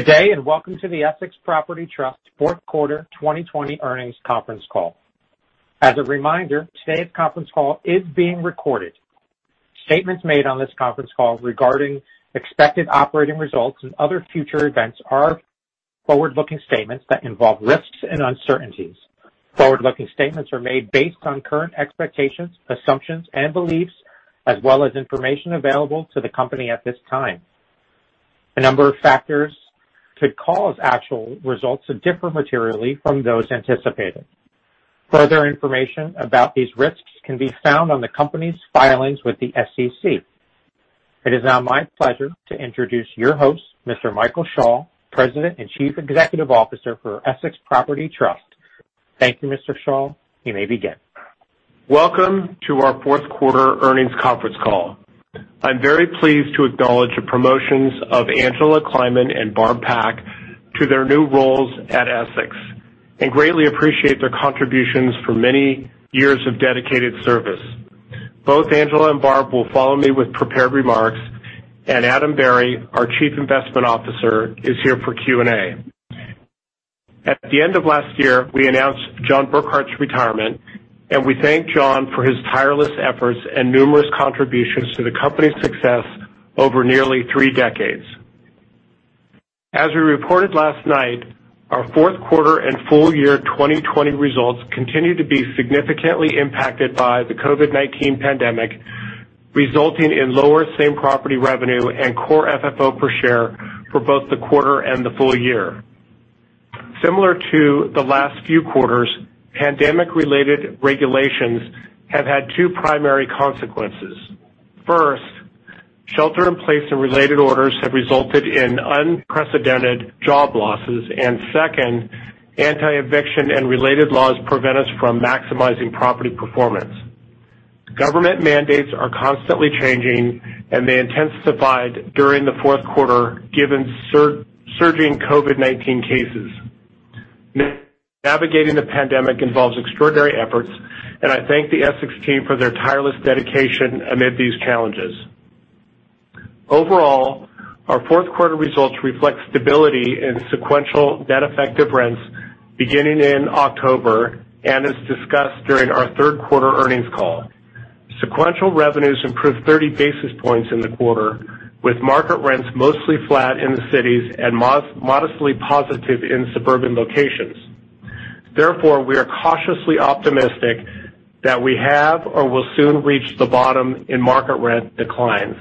Good day, and welcome to the Essex Property Trust fourth quarter 2020 earnings conference call. As a reminder, today's conference call is being recorded. Statements made on this conference call regarding expected operating results and other future events are forward-looking statements that involve risks and uncertainties. Forward-looking statements are made based on current expectations, assumptions, and beliefs, as well as information available to the company at this time. A number of factors could cause actual results to differ materially from those anticipated. Further information about these risks can be found on the company's filings with the SEC. It is now my pleasure to introduce your host, Mr. Michael Schall, President and Chief Executive Officer for Essex Property Trust. Thank you, Mr. Schall. You may begin. Welcome to our fourth quarter earnings conference call. I'm very pleased to acknowledge the promotions of Angela Kleiman and Barb Pak to their new roles at Essex, and greatly appreciate their contributions for many years of dedicated service. Both Angela and Barb will follow me with prepared remarks, and Adam Berry, our Chief Investment Officer, is here for Q&A. At the end of last year, we announced John Burkart's retirement, and we thank John for his tireless efforts and numerous contributions to the company's success over nearly three decades. As we reported last night, our fourth quarter and full year 2020 results continue to be significantly impacted by the COVID-19 pandemic, resulting in lower same-property revenue and core FFO per share for both the quarter and the full year. Similar to the last few quarters, pandemic-related regulations have had two primary consequences. First, shelter-in-place and related orders have resulted in unprecedented job losses. Second, anti-eviction and related laws prevent us from maximizing property performance. Government mandates are constantly changing, and they intensified during the fourth quarter given surging COVID-19 cases. Navigating the pandemic involves extraordinary efforts, and I thank the Essex team for their tireless dedication amid these challenges. Overall, our fourth quarter results reflect stability in sequential net effective rents beginning in October, as discussed during our third quarter earnings call. Sequential revenues improved 30 basis points in the quarter, with market rents mostly flat in the cities and modestly positive in suburban locations. Therefore, we are cautiously optimistic that we have or will soon reach the bottom in market rent declines.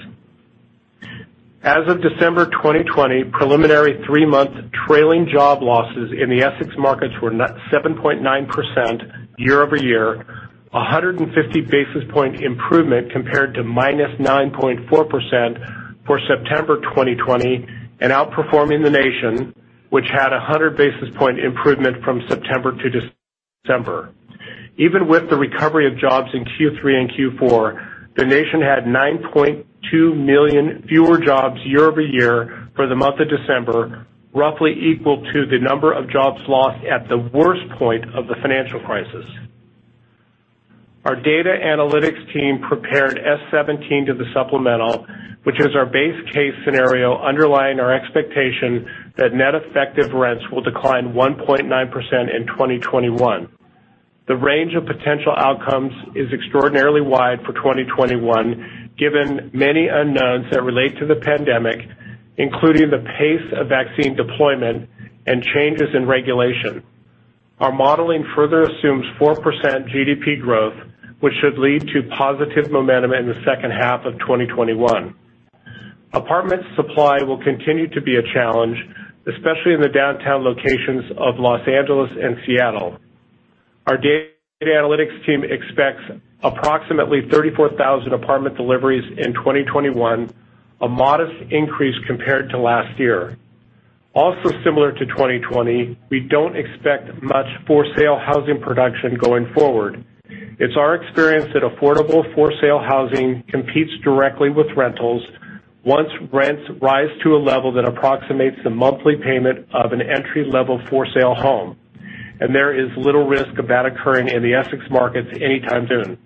As of December 2020, preliminary three-month trailing job losses in the Essex markets were 7.9% year-over-year, 150 basis point improvement compared to -9.4% for September 2020, and outperforming the nation, which had 100 basis point improvement from September to December. Even with the recovery of jobs in Q3 and Q4, the nation had 9.2 million fewer jobs year-over-year for the month of December, roughly equal to the number of jobs lost at the worst point of the financial crisis. Our data analytics team prepared S17 to the supplemental, which is our base case scenario underlying our expectation that net effective rents will decline 1.9% in 2021. The range of potential outcomes is extraordinarily wide for 2021, given many unknowns that relate to the pandemic, including the pace of vaccine deployment and changes in regulation. Our modeling further assumes 4% GDP growth, which should lead to positive momentum in the second half of 2021. Apartment supply will continue to be a challenge, especially in the downtown locations of Los Angeles and Seattle. Our data analytics team expects approximately 34,000 apartment deliveries in 2021, a modest increase compared to last year. Also similar to 2020, we don't expect much for-sale housing production going forward. It's our experience that affordable for-sale housing competes directly with rentals once rents rise to a level that approximates the monthly payment of an entry-level for-sale home, and there is little risk of that occurring in the Essex markets anytime soon.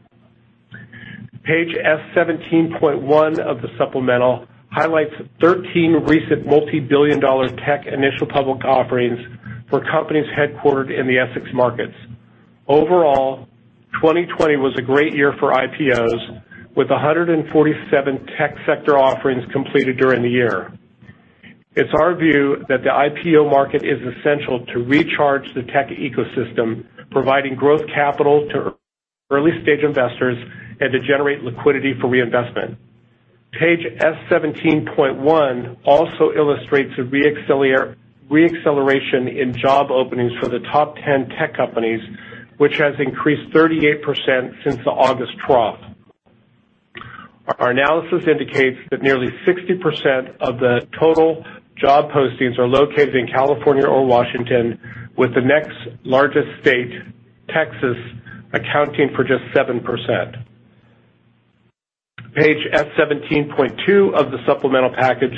Page S17.1 of the supplemental highlights 13 recent multi-billion-dollar tech initial public offerings for companies headquartered in the Essex markets. Overall, 2020 was a great year for IPOs, with 147 tech sector offerings completed during the year. It's our view that the IPO market is essential to recharge the tech ecosystem, providing growth capital to early-stage investors, and to generate liquidity for reinvestment. Page S17.1 also illustrates a re-acceleration in job openings for the top 10 tech companies, which has increased 38% since the August trough. Our analysis indicates that nearly 60% of the total job postings are located in California or Washington, with the next largest state, Texas, accounting for just 7%. Page S17.2 of the supplemental package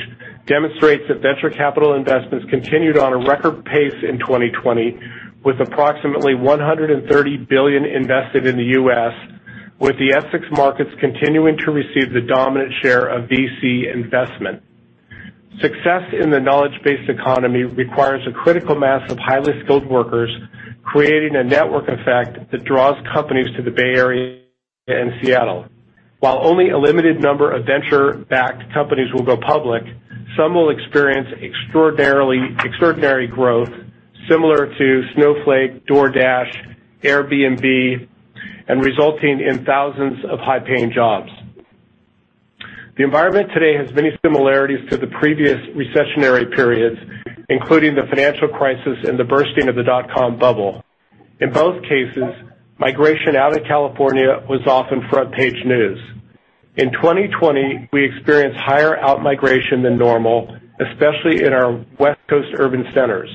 demonstrates that venture capital investments continued on a record pace in 2020, with approximately $130 billion invested in the U.S., with the Essex markets continuing to receive the dominant share of VC investment. Success in the knowledge-based economy requires a critical mass of highly skilled workers, creating a network effect that draws companies to the Bay Area and Seattle. While only a limited number of venture-backed companies will go public, some will experience extraordinary growth, similar to Snowflake, DoorDash, Airbnb, and resulting in thousands of high-paying jobs. The environment today has many similarities to the previous recessionary periods, including the financial crisis and the bursting of the dot-com bubble. In both cases, migration out of California was often front-page news. In 2020, we experienced higher out-migration than normal, especially in our West Coast urban centers.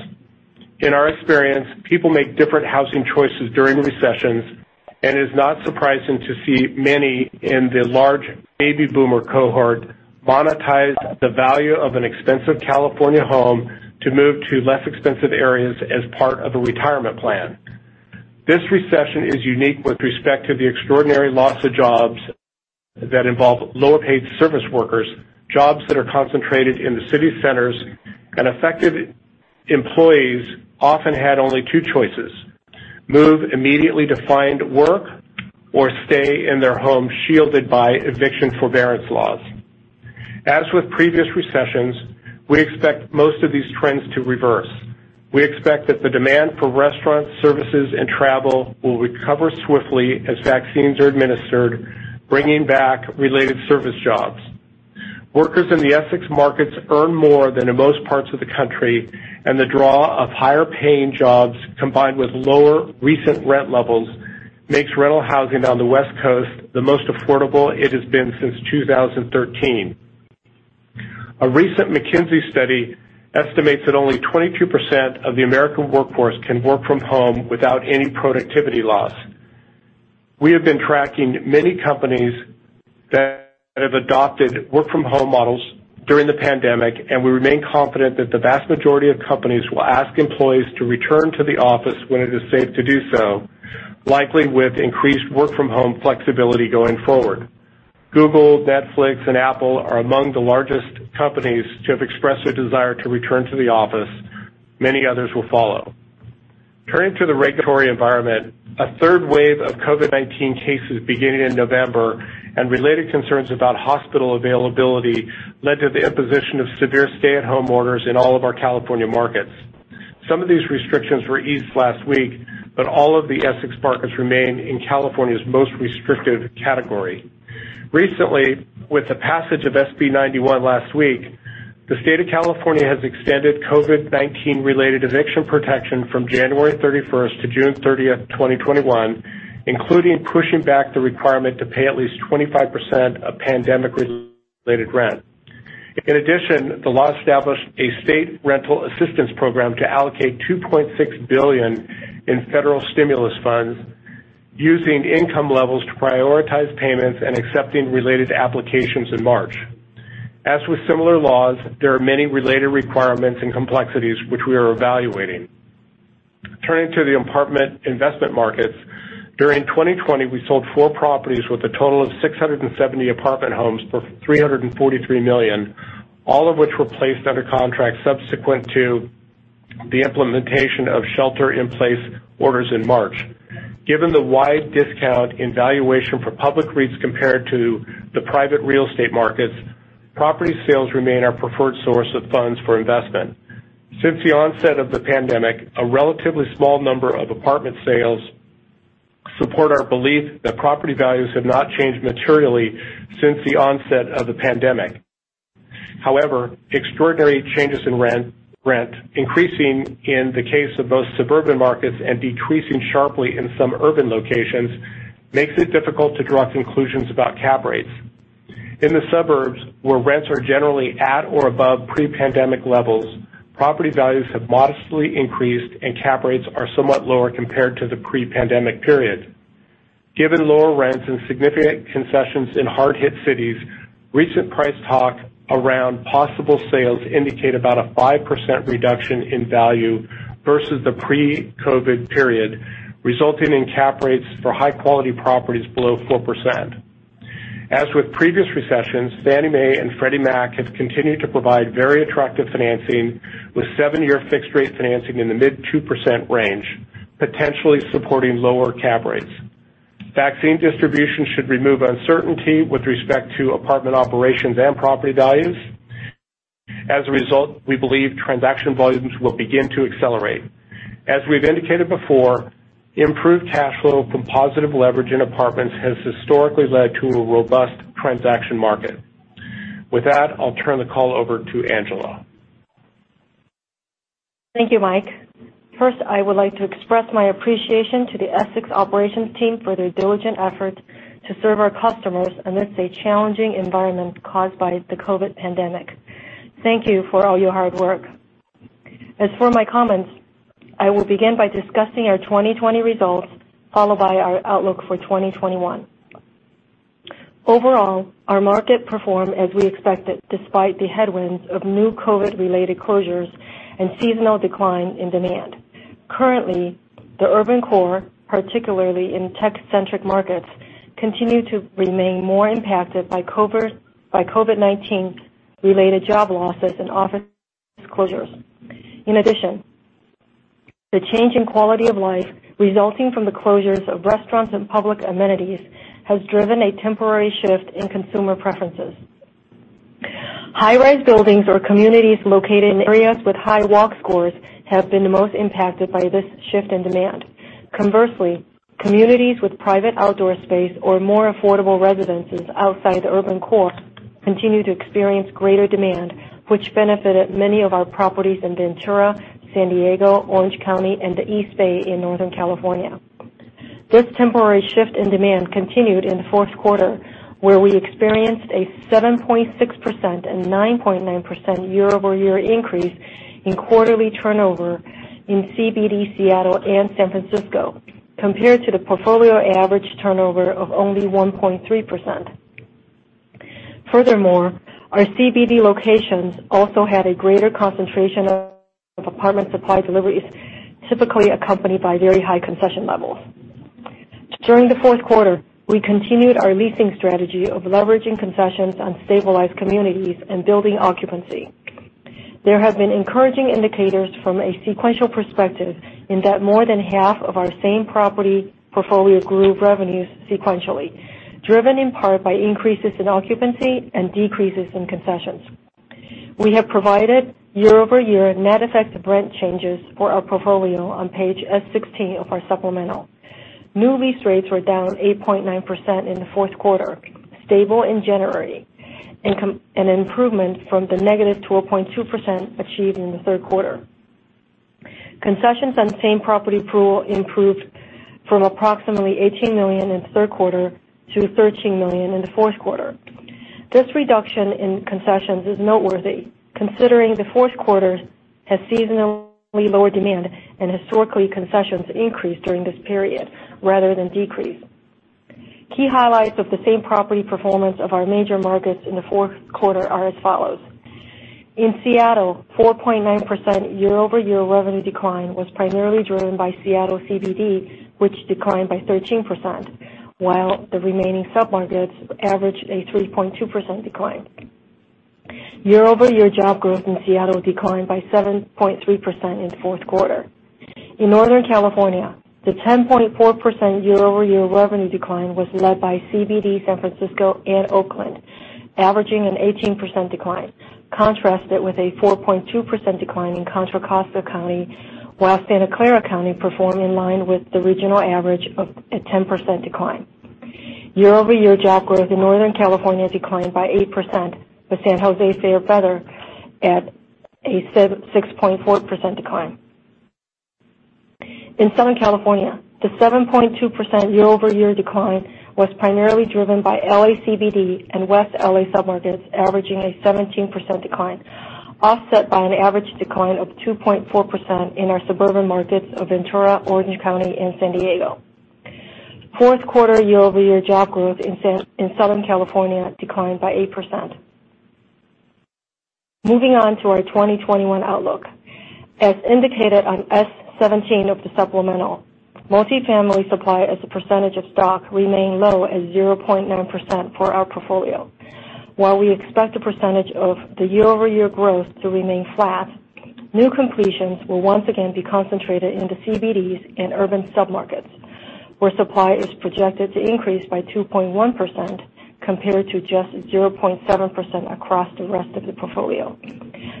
In our experience, people make different housing choices during recessions, and it is not surprising to see many in the large baby boomer cohort monetize the value of an expensive California home to move to less expensive areas as part of a retirement plan. This recession is unique with respect to the extraordinary loss of jobs that involve lower-paid service workers, jobs that are concentrated in the city centers, and affected employees often had only two choices: move immediately to find work or stay in their homes shielded by eviction forbearance laws. As with previous recessions, we expect most of these trends to reverse. We expect that the demand for restaurants, services, and travel will recover swiftly as vaccines are administered, bringing back related service jobs. Workers in the Essex markets earn more than in most parts of the country, and the draw of higher-paying jobs, combined with lower recent rent levels, makes rental housing on the West Coast the most affordable it has been since 2013. A recent McKinsey study estimates that only 22% of the American workforce can work from home without any productivity loss. We have been tracking many companies that have adopted work-from-home models during the pandemic, and we remain confident that the vast majority of companies will ask employees to return to the office when it is safe to do so, likely with increased work-from-home flexibility going forward. Google, Netflix, and Apple are among the largest companies to have expressed their desire to return to the office. Many others will follow. Turning to the regulatory environment, a third wave of COVID-19 cases beginning in November and related concerns about hospital availability led to the imposition of severe stay-at-home orders in all of our California markets. Some of these restrictions were eased last week, but all of the Essex markets remain in California's most restrictive category. Recently, with the passage of SB 91 last week, the state of California has extended COVID-19-related eviction protection from January 31st to June 30th, 2021, including pushing back the requirement to pay at least 25% of pandemic-related rent. In addition, the law established a state rental assistance program to allocate $2.6 billion in federal stimulus funds using income levels to prioritize payments and accepting related applications in March. As with similar laws, there are many related requirements and complexities which we are evaluating. Turning to the apartment investment markets, during 2020, we sold four properties with a total of 670 apartment homes for $343 million, all of which were placed under contract subsequent to the implementation of shelter-in-place orders in March. Given the wide discount in valuation for public REITs compared to the private real estate markets, property sales remain our preferred source of funds for investment. Since the onset of the pandemic, a relatively small number of apartment sales support our belief that property values have not changed materially since the onset of the pandemic. However, extraordinary changes in rent, increasing in the case of most suburban markets and decreasing sharply in some urban locations, makes it difficult to draw conclusions about cap rates. In the suburbs, where rents are generally at or above pre-pandemic levels, property values have modestly increased, and cap rates are somewhat lower compared to the pre-pandemic period. Given lower rents and significant concessions in hard-hit cities, recent price talk around possible sales indicate about a 5% reduction in value versus the pre-COVID period, resulting in cap rates for high-quality properties below 4%. As with previous recessions, Fannie Mae and Freddie Mac have continued to provide very attractive financing, with seven-year fixed-rate financing in the mid 2% range, potentially supporting lower cap rates. Vaccine distribution should remove uncertainty with respect to apartment operations and property values. As a result, we believe transaction volumes will begin to accelerate. As we've indicated before, improved cash flow from positive leverage in apartments has historically led to a robust transaction market. With that, I'll turn the call over to Angela. Thank you, Mike. First, I would like to express my appreciation to the Essex operations team for their diligent efforts to serve our customers amidst a challenging environment caused by the COVID pandemic. Thank you for all your hard work. For my comments, I will begin by discussing our 2020 results, followed by our outlook for 2021. Our market performed as we expected despite the headwinds of new COVID-related closures and seasonal decline in demand. The urban core, particularly in tech-centric markets, continue to remain more impacted by COVID-19 related job losses and office closures. The change in quality of life resulting from the closures of restaurants and public amenities has driven a temporary shift in consumer preferences. High-rise buildings or communities located in areas with high Walk Scores have been the most impacted by this shift in demand. Conversely, communities with private outdoor space or more affordable residences outside the urban core continue to experience greater demand, which benefited many of our properties in Ventura, San Diego, Orange County and the East Bay in Northern California. This temporary shift in demand continued in the fourth quarter, where we experienced a 7.6% and 9.9% year-over-year increase in quarterly turnover in CBD Seattle and San Francisco, compared to the portfolio average turnover of only 1.3%. Our CBD locations also had a greater concentration of apartment supply deliveries, typically accompanied by very high concession levels. During the fourth quarter, we continued our leasing strategy of leveraging concessions on stabilized communities and building occupancy. There have been encouraging indicators from a sequential perspective in that more than half of our same property portfolio grew revenues sequentially, driven in part by increases in occupancy and decreases in concessions. We have provided year-over-year net effective rent changes for our portfolio on page S16 of our supplemental. New lease rates were down 8.9% in the fourth quarter, stable in January, an improvement from the -12.2% achieved in the third quarter. Concessions on the same property pool improved from approximately $18 million in the third quarter to $13 million in the fourth quarter. This reduction in concessions is noteworthy considering the fourth quarter has seasonally lower demand and historically concessions increase during this period rather than decrease. Key highlights of the same property performance of our major markets in the fourth quarter are as follows. In Seattle, 4.9% year-over-year revenue decline was primarily driven by Seattle CBD, which declined by 13%, while the remaining submarkets averaged a 3.2% decline. Year-over-year job growth in Seattle declined by 7.3% in the fourth quarter. In Northern California, the 10.4% year-over-year revenue decline was led by CBD San Francisco and Oakland, averaging an 18% decline, contrasted with a 4.2% decline in Contra Costa County, while Santa Clara County performed in line with the regional average of a 10% decline. Year-over-year job growth in Northern California declined by 8%, with San Jose fare better at a 6.4% decline. In Southern California, the 7.2% year-over-year decline was primarily driven by L.A. CBD and West L.A. submarkets averaging a 17% decline, offset by an average decline of 2.4% in our suburban markets of Ventura, Orange County and San Diego. Fourth quarter year-over-year job growth in Southern California declined by 8%. Moving on to our 2021 outlook. As indicated on S17 of the supplemental, multifamily supply as a percentage of stock remained low at 0.9% for our portfolio. While we expect the percentage of the year-over-year growth to remain flat, new completions will once again be concentrated in the CBDs and urban submarkets, where supply is projected to increase by 2.1%, compared to just 0.7% across the rest of the portfolio.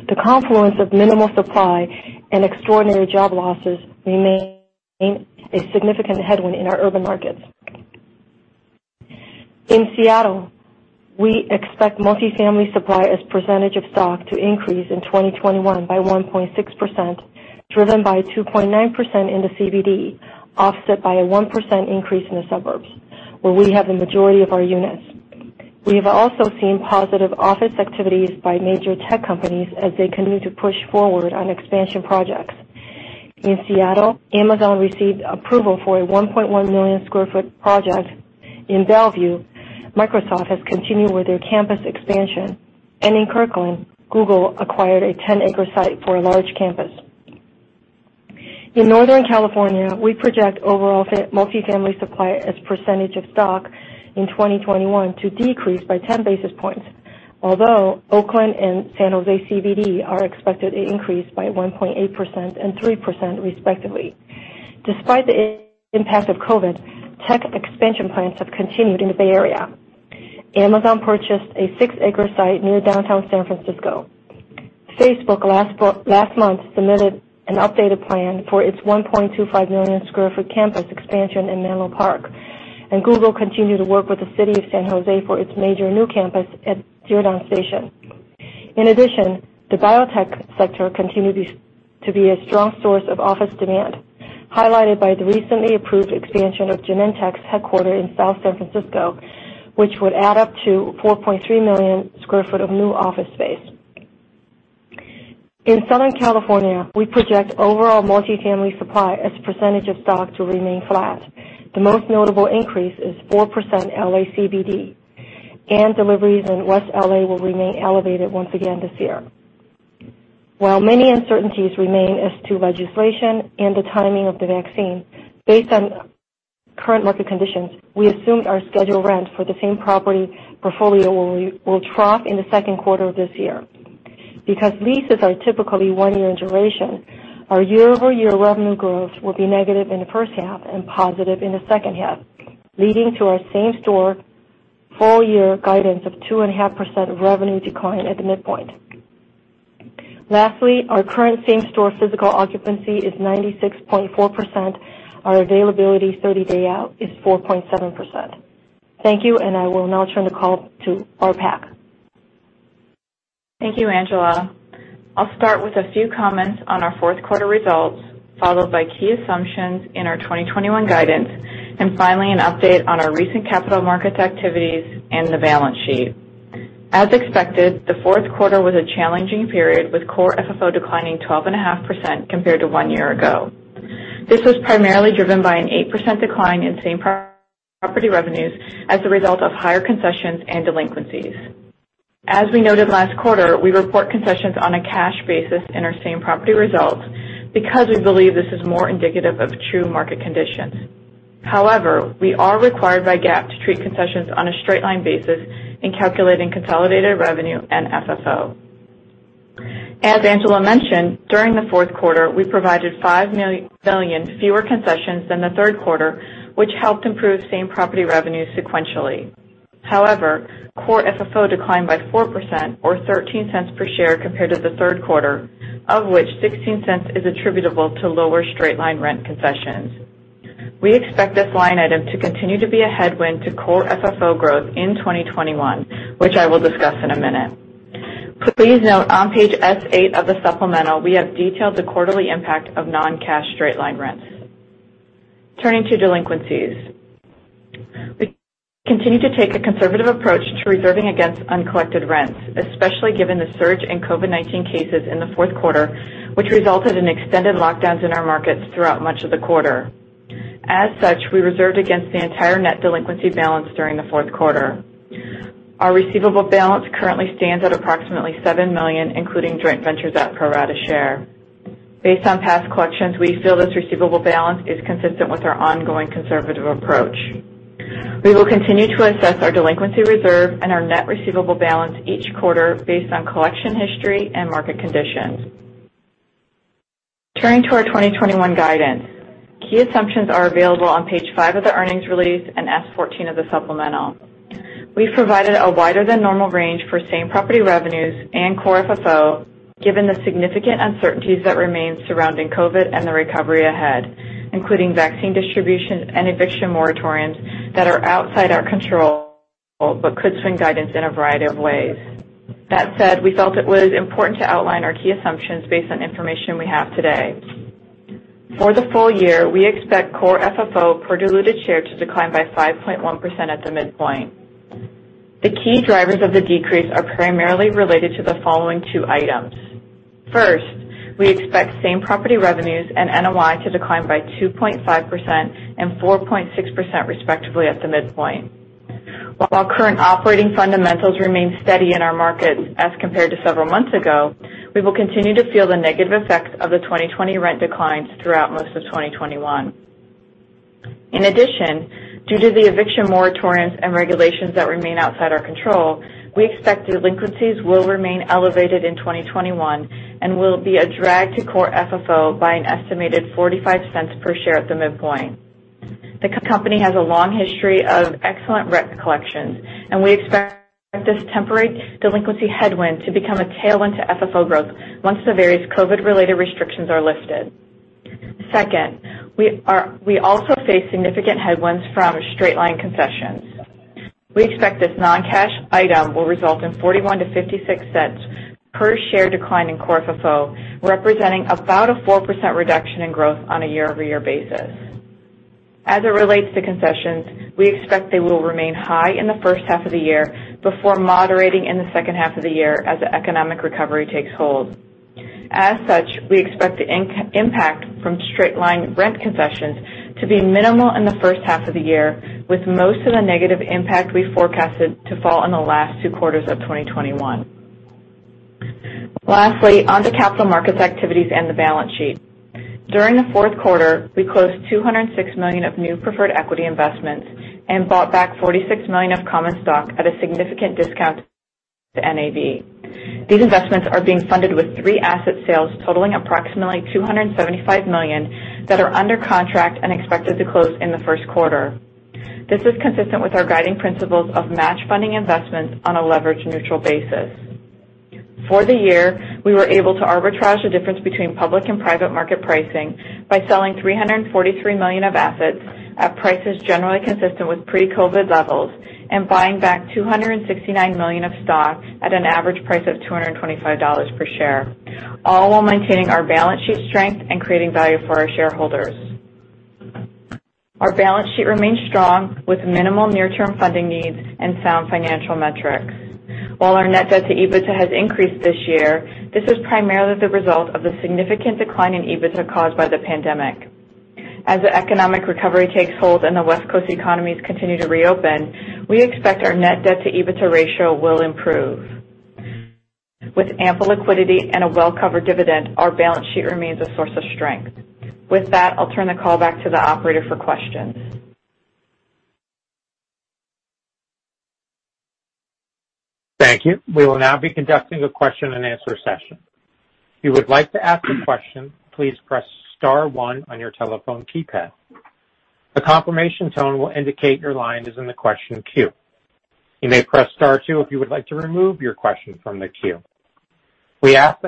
The confluence of minimal supply and extraordinary job losses remain a significant headwind in our urban markets. In Seattle, we expect multifamily supply as percentage of stock to increase in 2021 by 1.6%, driven by 2.9% in the CBD, offset by a 1% increase in the suburbs, where we have a majority of our units. We have also seen positive office activities by major tech companies as they continue to push forward on expansion projects. In Seattle, Amazon received approval for a 1.1 million square foot project. In Bellevue, Microsoft has continued with their campus expansion. In Kirkland, Google acquired a 10-acre site for a large campus. In Northern California, we project overall multifamily supply as percentage of stock in 2021 to decrease by 10 basis points. Although Oakland and San Jose CBD are expected to increase by 1.8% and 3% respectively. Despite the impact of COVID, tech expansion plans have continued in the Bay Area. Amazon purchased a six-acre site near downtown San Francisco. Facebook last month submitted an updated plan for its 1.25 million square foot campus expansion in Menlo Park, and Google continued to work with the city of San Jose for its major new campus at Diridon Station. In addition, the biotech sector continues to be a strong source of office demand, highlighted by the recently approved expansion of Genentech's headquarters in South San Francisco, which would add up to 4.3 million sq ft of new office space. In Southern California, we project overall multifamily supply as a percentage of stock to remain flat. The most notable increase is 4% L.A. CBD, and deliveries in West L.A. will remain elevated once again this year. While many uncertainties remain as to legislation and the timing of the vaccine, based on current market conditions, we assumed our scheduled rent for the same property portfolio will trough in the second quarter of this year. Because leases are typically one year in duration, our year-over-year revenue growth will be negative in the first half and positive in the second half, leading to our same-store full-year guidance of 2.5% revenue decline at the midpoint. Lastly, our current same-store physical occupancy is 96.4%. Our availability 30-day out is 4.7%. Thank you. I will now turn the call to Barb Pak. Thank you, Angela. I'll start with a few comments on our fourth quarter results, followed by key assumptions in our 2021 guidance, and finally an update on our recent capital markets activities and the balance sheet. As expected, the fourth quarter was a challenging period, with core FFO declining 12.5% compared to one year ago. This was primarily driven by an 8% decline in same-property revenues as a result of higher concessions and delinquencies. As we noted last quarter, we report concessions on a cash basis in our same-property results because we believe this is more indicative of true market conditions. However, we are required by GAAP to treat concessions on a straight-line basis in calculating consolidated revenue and FFO. As Angela mentioned, during the fourth quarter, we provided $5 million fewer concessions than the third quarter, which helped improve same-property revenues sequentially. Core FFO declined by 4% or $0.13 per share compared to the third quarter, of which $0.16 is attributable to lower straight-line rent concessions. We expect this line item to continue to be a headwind to core FFO growth in 2021, which I will discuss in a minute. Please note on page S8 of the supplemental, we have detailed the quarterly impact of non-cash straight-line rents. Turning to delinquencies. We continue to take a conservative approach to reserving against uncollected rents, especially given the surge in COVID-19 cases in the fourth quarter, which resulted in extended lockdowns in our markets throughout much of the quarter. We reserved against the entire net delinquency balance during the fourth quarter. Our receivable balance currently stands at approximately $7 million, including joint ventures at pro rata share. Based on past collections, we feel this receivable balance is consistent with our ongoing conservative approach. We will continue to assess our delinquency reserve and our net receivable balance each quarter based on collection history and market conditions. Turning to our 2021 guidance. Key assumptions are available on page five of the earnings release and S14 of the supplemental. We've provided a wider than normal range for same-property revenues and core FFO, given the significant uncertainties that remain surrounding COVID and the recovery ahead, including vaccine distribution and eviction moratoriums that are outside our control but could swing guidance in a variety of ways. We felt it was important to outline our key assumptions based on information we have today. For the full year, we expect core FFO per diluted share to decline by 5.1% at the midpoint. The key drivers of the decrease are primarily related to the following two items. First, we expect same-property revenues and NOI to decline by 2.5% and 4.6% respectively at the midpoint. While current operating fundamentals remain steady in our markets as compared to several months ago, we will continue to feel the negative effects of the 2020 rent declines throughout most of 2021. In addition, due to the eviction moratoriums and regulations that remain outside our control, we expect delinquencies will remain elevated in 2021 and will be a drag to core FFO by an estimated $0.45 per share at the midpoint. The company has a long history of excellent rent collections, and we expect this temporary delinquency headwind to become a tailwind to FFO growth once the various COVID-related restrictions are lifted. Second, we also face significant headwinds from straight-line concessions. We expect this non-cash item will result in $0.41-$0.56 per share decline in core FFO, representing about a 4% reduction in growth on a year-over-year basis. As it relates to concessions, we expect they will remain high in the first half of the year before moderating in the second half of the year as the economic recovery takes hold. We expect the impact from straight-line rent concessions to be minimal in the first half of the year, with most of the negative impact we forecasted to fall in the last two quarters of 2021. On the capital markets activities and the balance sheet. During the fourth quarter, we closed $206 million of new preferred equity investments and bought back $46 million of common stock at a significant discount to NAV. These investments are being funded with three asset sales totaling approximately $275 million that are under contract and expected to close in the first quarter. This is consistent with our guiding principles of match-funding investments on a leverage-neutral basis. For the year, we were able to arbitrage the difference between public and private market pricing by selling $343 million of assets at prices generally consistent with pre-COVID levels and buying back $269 million of stock at an average price of $225 per share, all while maintaining our balance sheet strength and creating value for our shareholders. Our balance sheet remains strong with minimal near-term funding needs and sound financial metrics. While our net debt to EBITDA has increased this year, this is primarily the result of the significant decline in EBITDA caused by the pandemic. As the economic recovery takes hold and the West Coast economies continue to reopen, we expect our net debt to EBITDA ratio will improve. With ample liquidity and a well-covered dividend, our balance sheet remains a source of strength. With that, I'll turn the call back to the operator for questions. Thank you. We will now be conducting a question and answer session. We ask that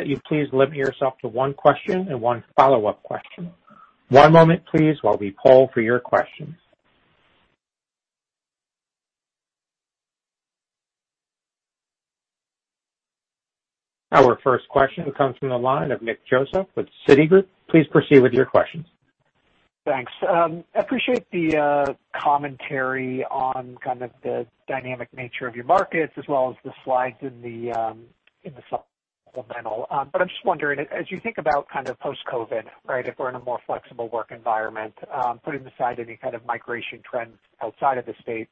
you please limit yourself to one question and one follow-up question. Our first question comes from the line of Nick Joseph with Citigroup. Please proceed with your questions. Thanks. Appreciate the commentary on kind of the dynamic nature of your markets as well as the slides in the supplemental. I'm just wondering, as you think about kind of post-COVID, right, if we're in a more flexible work environment, putting aside any kind of migration trends outside of the state.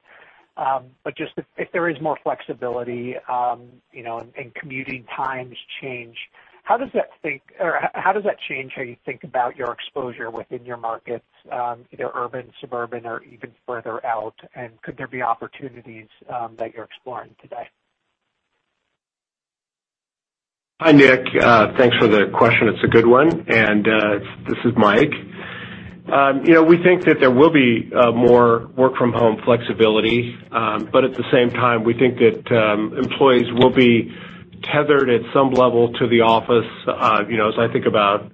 Just if there is more flexibility, and commuting times change, how does that change how you think about your exposure within your markets, either urban, suburban, or even further out? Could there be opportunities that you're exploring today? Hi, Nick. Thanks for the question. It's a good one. This is Mike. We think that there will be more work-from-home flexibility. At the same time, we think that employees will be tethered at some level to the office. As I think about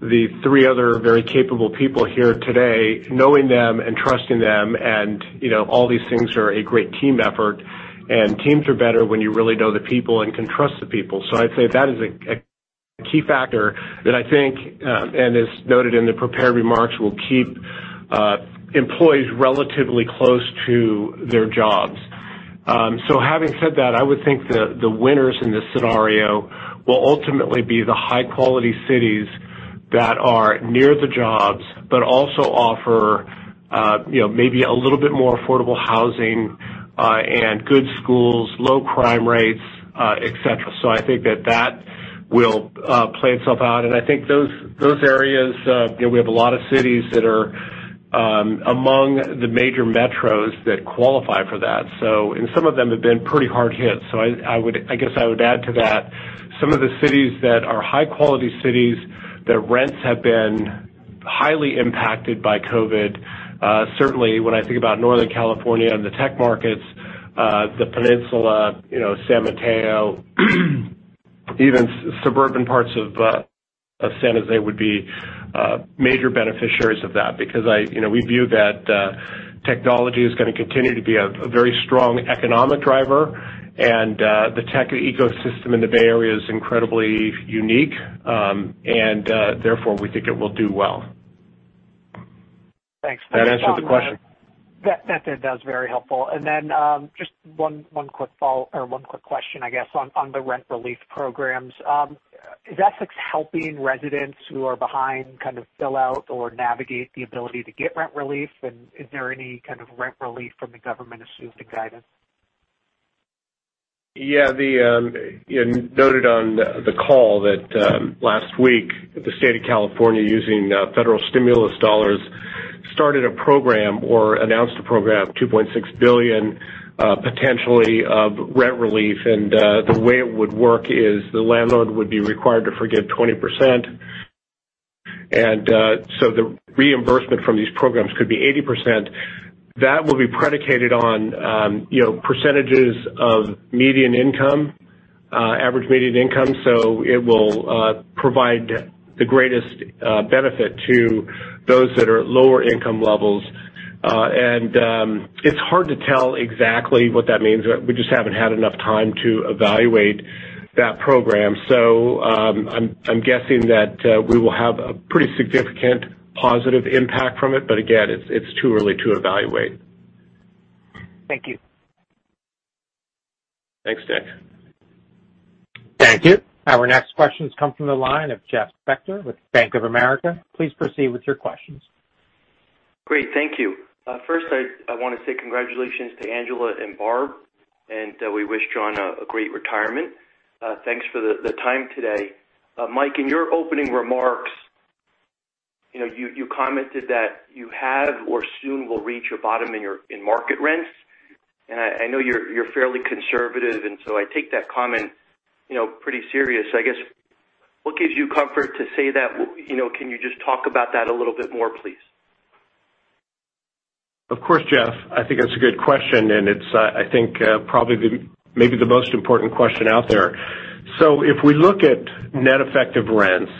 the three other very capable people here today, knowing them and trusting them and all these things are a great team effort. Teams are better when you really know the people and can trust the people. I'd say that is a key factor that I think, and as noted in the prepared remarks, will keep employees relatively close to their jobs. Having said that, I would think the winners in this scenario will ultimately be the high-quality cities that are near the jobs, but also offer maybe a little bit more affordable housing, and good schools, low crime rates, et cetera. I think that will play itself out, and I think those areas, we have a lot of cities that are among the major metros that qualify for that. Some of them have been pretty hard hit. I guess I would add to that, some of the cities that are high-quality cities, their rents have been highly impacted by COVID. Certainly, when I think about Northern California and the tech markets, the Peninsula, San Mateo, even suburban parts of San Jose would be major beneficiaries of that because we view that technology is going to continue to be a very strong economic driver. The tech ecosystem in the Bay Area is incredibly unique. Therefore, we think it will do well. Thanks. That answer the question? That's very helpful. Just one quick question, I guess, on the rent relief programs, is Essex helping residents who are behind kind of fill out or navigate the ability to get rent relief, and is there any kind of rent relief from the government assumed in guidance? Yeah. Noted on the call that last week, the state of California, using federal stimulus dollars, started a program or announced a program, $2.6 billion potentially of rent relief. The way it would work is the landlord would be required to forgive 20%. The reimbursement from these programs could be 80%. That will be predicated on percentages of median income, average median income. It will provide the greatest benefit to those that are at lower income levels. It's hard to tell exactly what that means. We just haven't had enough time to evaluate that program. I'm guessing that we will have a pretty significant positive impact from it. Again, it's too early to evaluate. Thank you. Thanks, Nick. Thank you. Our next questions come from the line of Jeff Spector with Bank of America. Please proceed with your questions. Great. Thank you. First, I want to say congratulations to Angela and Barb, and we wish John a great retirement. Thanks for the time today. Mike, in your opening remarks, you commented that you have or soon will reach a bottom in market rents. I know you're fairly conservative, and so I take that comment pretty serious. I guess, what gives you comfort to say that? Can you just talk about that a little bit more, please? Of course, Jeff. I think that's a good question, and it's, I think, probably maybe the most important question out there. If we look at net effective rents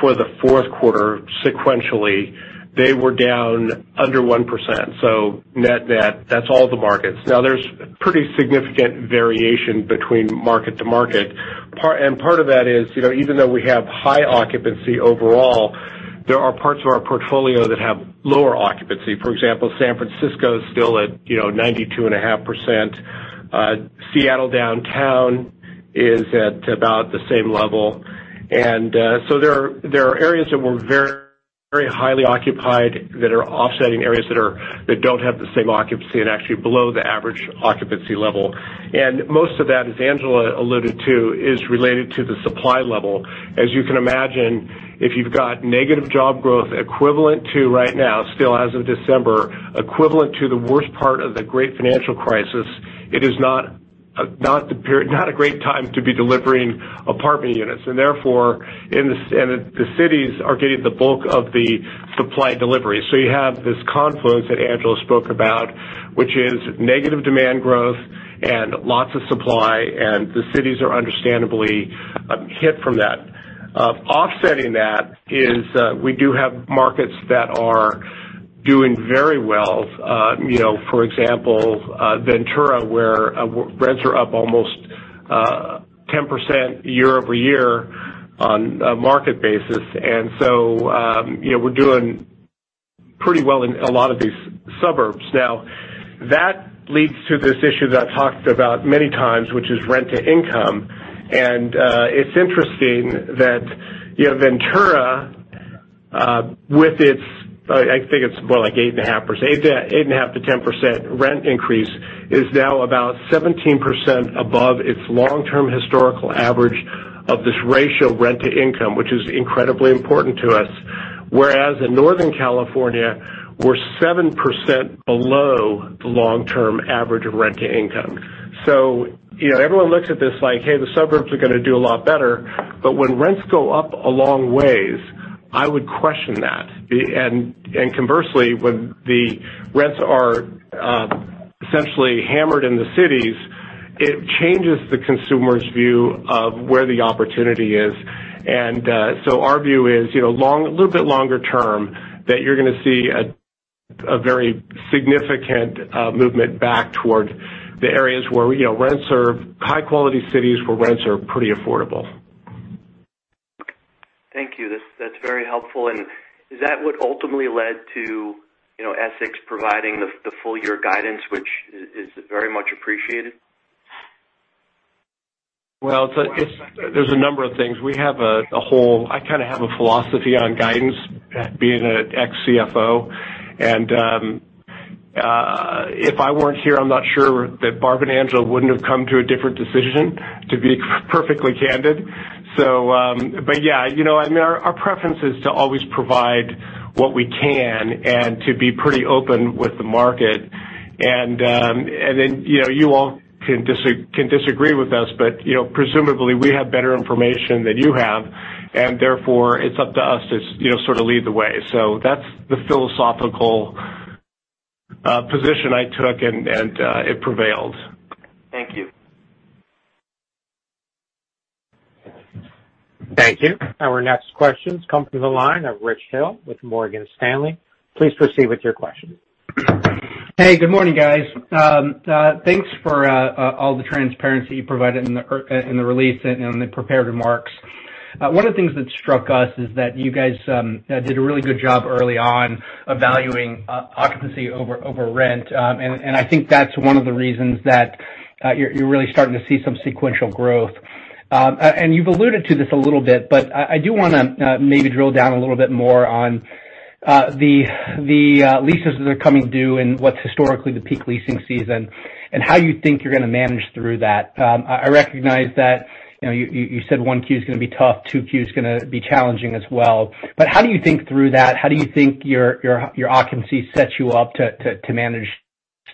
for the fourth quarter sequentially, they were down under 1%. Net that's all the markets. Now there's pretty significant variation between market to market. Part of that is even though we have high occupancy overall. There are parts of our portfolio that have lower occupancy. For example, San Francisco is still at 92.5%. Seattle downtown is at about the same level. There are areas that were very highly occupied that are offsetting areas that don't have the same occupancy and actually below the average occupancy level. Most of that, as Angela alluded to, is related to the supply level. As you can imagine, if you've got negative job growth equivalent to right now, still as of December, equivalent to the worst part of the great financial crisis, it is not a great time to be delivering apartment units, and therefore, the cities are getting the bulk of the supply delivery. You have this confluence that Angela spoke about, which is negative demand growth and lots of supply, and the cities are understandably hit from that. Offsetting that is we do have markets that are doing very well. For example, Ventura, where rents are up almost 10% year-over-year on a market basis. We're doing pretty well in a lot of these suburbs. That leads to this issue that I've talked about many times, which is rent to income. It's interesting that Ventura, with its, I think it's more like 8.5%-10% rent increase, is now about 17% above its long-term historical average of this ratio, rent to income, which is incredibly important to us. Whereas in Northern California, we're 7% below the long-term average of rent to income. Everyone looks at this like, hey, the suburbs are going to do a lot better, but when rents go up a long way, I would question that. Conversely, when the rents are essentially hammered in the cities, it changes the consumer's view of where the opportunity is. Our view is, a little bit longer term, that you're going to see a very significant movement back toward the areas, high quality cities, where rents are pretty affordable. Thank you. That's very helpful. Is that what ultimately led to Essex providing the full-year guidance, which is very much appreciated? There's a number of things. I kind of have a philosophy on guidance, being an ex-CFO. If I weren't here, I'm not sure that Barb and Angela wouldn't have come to a different decision, to be perfectly candid. Yeah, our preference is to always provide what we can and to be pretty open with the market. Then you all can disagree with us, but presumably, we have better information than you have, and therefore, it's up to us to sort of lead the way. That's the philosophical position I took, and it prevailed. Thank you. Thank you. Our next questions come from the line of Rich Hill with Morgan Stanley. Please proceed with your question. Hey, good morning, guys. Thanks for all the transparency you provided in the release and in the prepared remarks. One of the things that struck us is that you guys did a really good job early on of valuing occupancy over rent. I think that's one of the reasons that you're really starting to see some sequential growth. You've alluded to this a little bit, but I do want to maybe drill down a little bit more on the leases that are coming due and what's historically the peak leasing season and how you think you're going to manage through that. I recognize that you said 1Q is going to be tough, 2Q is going to be challenging as well, but how do you think through that? How do you think your occupancy sets you up to manage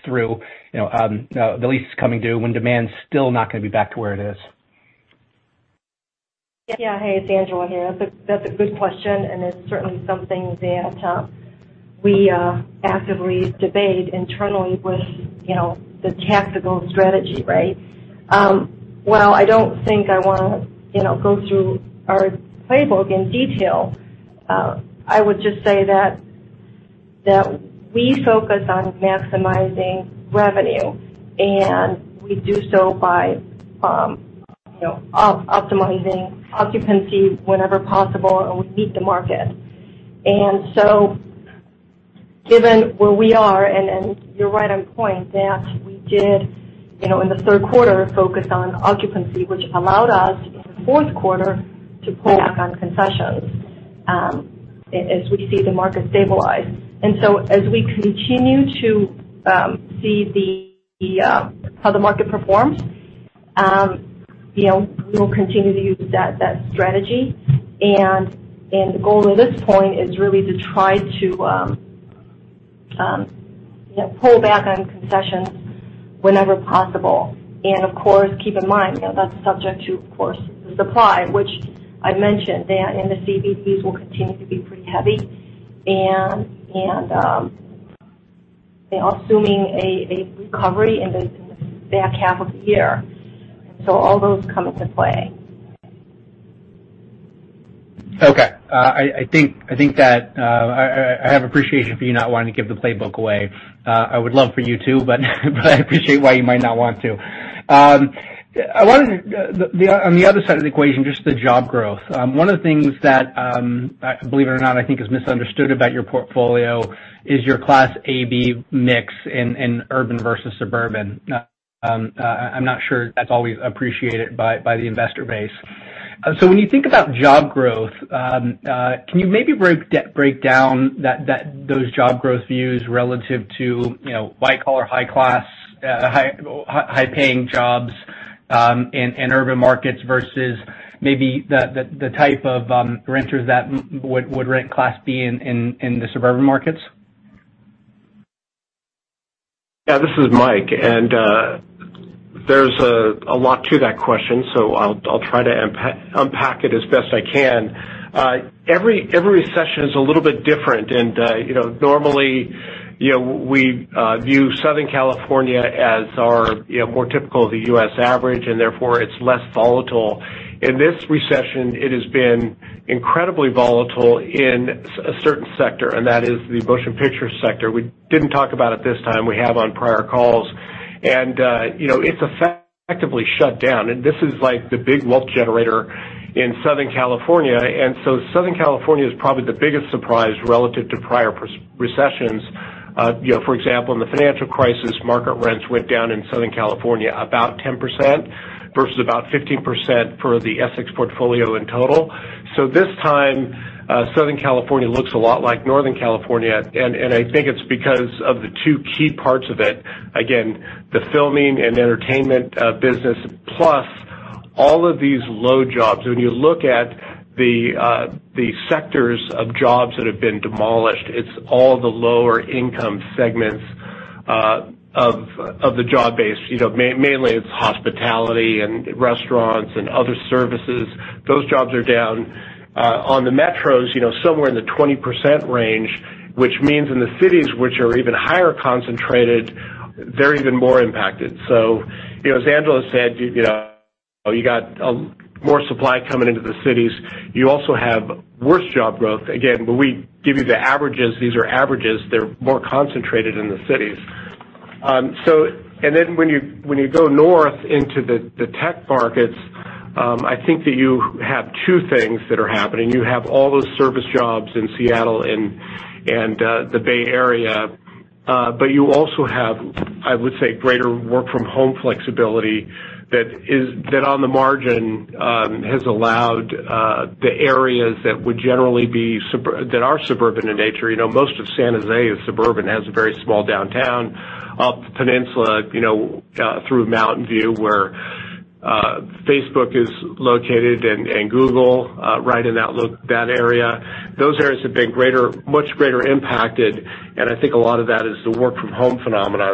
through the leases coming due when demand's still not going to be back to where it is? Yeah. Hey, it's Angela here. That's a good question. It's certainly something that we actively debate internally with the tactical strategy, right? While I don't think I want to go through our playbook in detail, I would just say that we focus on maximizing revenue, and we do so by optimizing occupancy whenever possible, and we beat the market. Given where we are, and you're right on point, that we did, in the third quarter, focus on occupancy, which allowed us in the fourth quarter to pull back on concessions as we see the market stabilize. As we continue to see how the market performs, we will continue to use that strategy. The goal at this point is really to try to pull back on concessions whenever possible. Of course, keep in mind, that's subject to, of course, the supply, which I mentioned, that in the CBDs will continue to be pretty heavy, assuming a recovery in the back half of the year. All those come into play. Okay. I have appreciation for you not wanting to give the playbook away. I would love for you to, but I appreciate why you might not want to. On the other side of the equation, just the job growth. One of the things that, believe it or not, I think is misunderstood about your portfolio is your Class A/B mix in urban versus suburban. I'm not sure that's always appreciated by the investor base. When you think about job growth, can you maybe break down those job growth views relative to white-collar, high-class, high-paying jobs in urban markets versus maybe the type of renters that would rent Class B in the suburban markets? Yeah. This is Mike, there's a lot to that question, so I'll try to unpack it as best I can. Every recession is a little bit different and normally, we view Southern California as our more typical of the U.S. average, and therefore, it's less volatile. In this recession, it has been incredibly volatile in a certain sector, and that is the motion picture sector. We didn't talk about it this time. We have on prior calls. It's effectively shut down, and this is the big wealth generator in Southern California. Southern California is probably the biggest surprise relative to prior recessions. For example, in the financial crisis, market rents went down in Southern California about 10% versus about 15% for the Essex portfolio in total. This time, Southern California looks a lot like Northern California, and I think it's because of the two key parts of it. Again, the filming and entertainment business, plus all of these low jobs. When you look at the sectors of jobs that have been demolished, it's all the lower-income segments of the job base. Mainly it's hospitality and restaurants and other services. Those jobs are down. On the metros, somewhere in the 20% range, which means in the cities which are even higher concentrated, they're even more impacted. As Angela said, you got more supply coming into the cities. You also have worse job growth. Again, when we give you the averages, these are averages. They're more concentrated in the cities. Then when you go north into the tech markets, I think that you have two things that are happening. You have all those service jobs in Seattle and the Bay Area. You also have, I would say, greater work-from-home flexibility that on the margin, has allowed the areas that are suburban in nature. Most of San Jose is suburban, has a very small downtown, up the peninsula through Mountain View, where Facebook is located and Google right in that area. Those areas have been much greater impacted, and I think a lot of that is the work-from-home phenomena.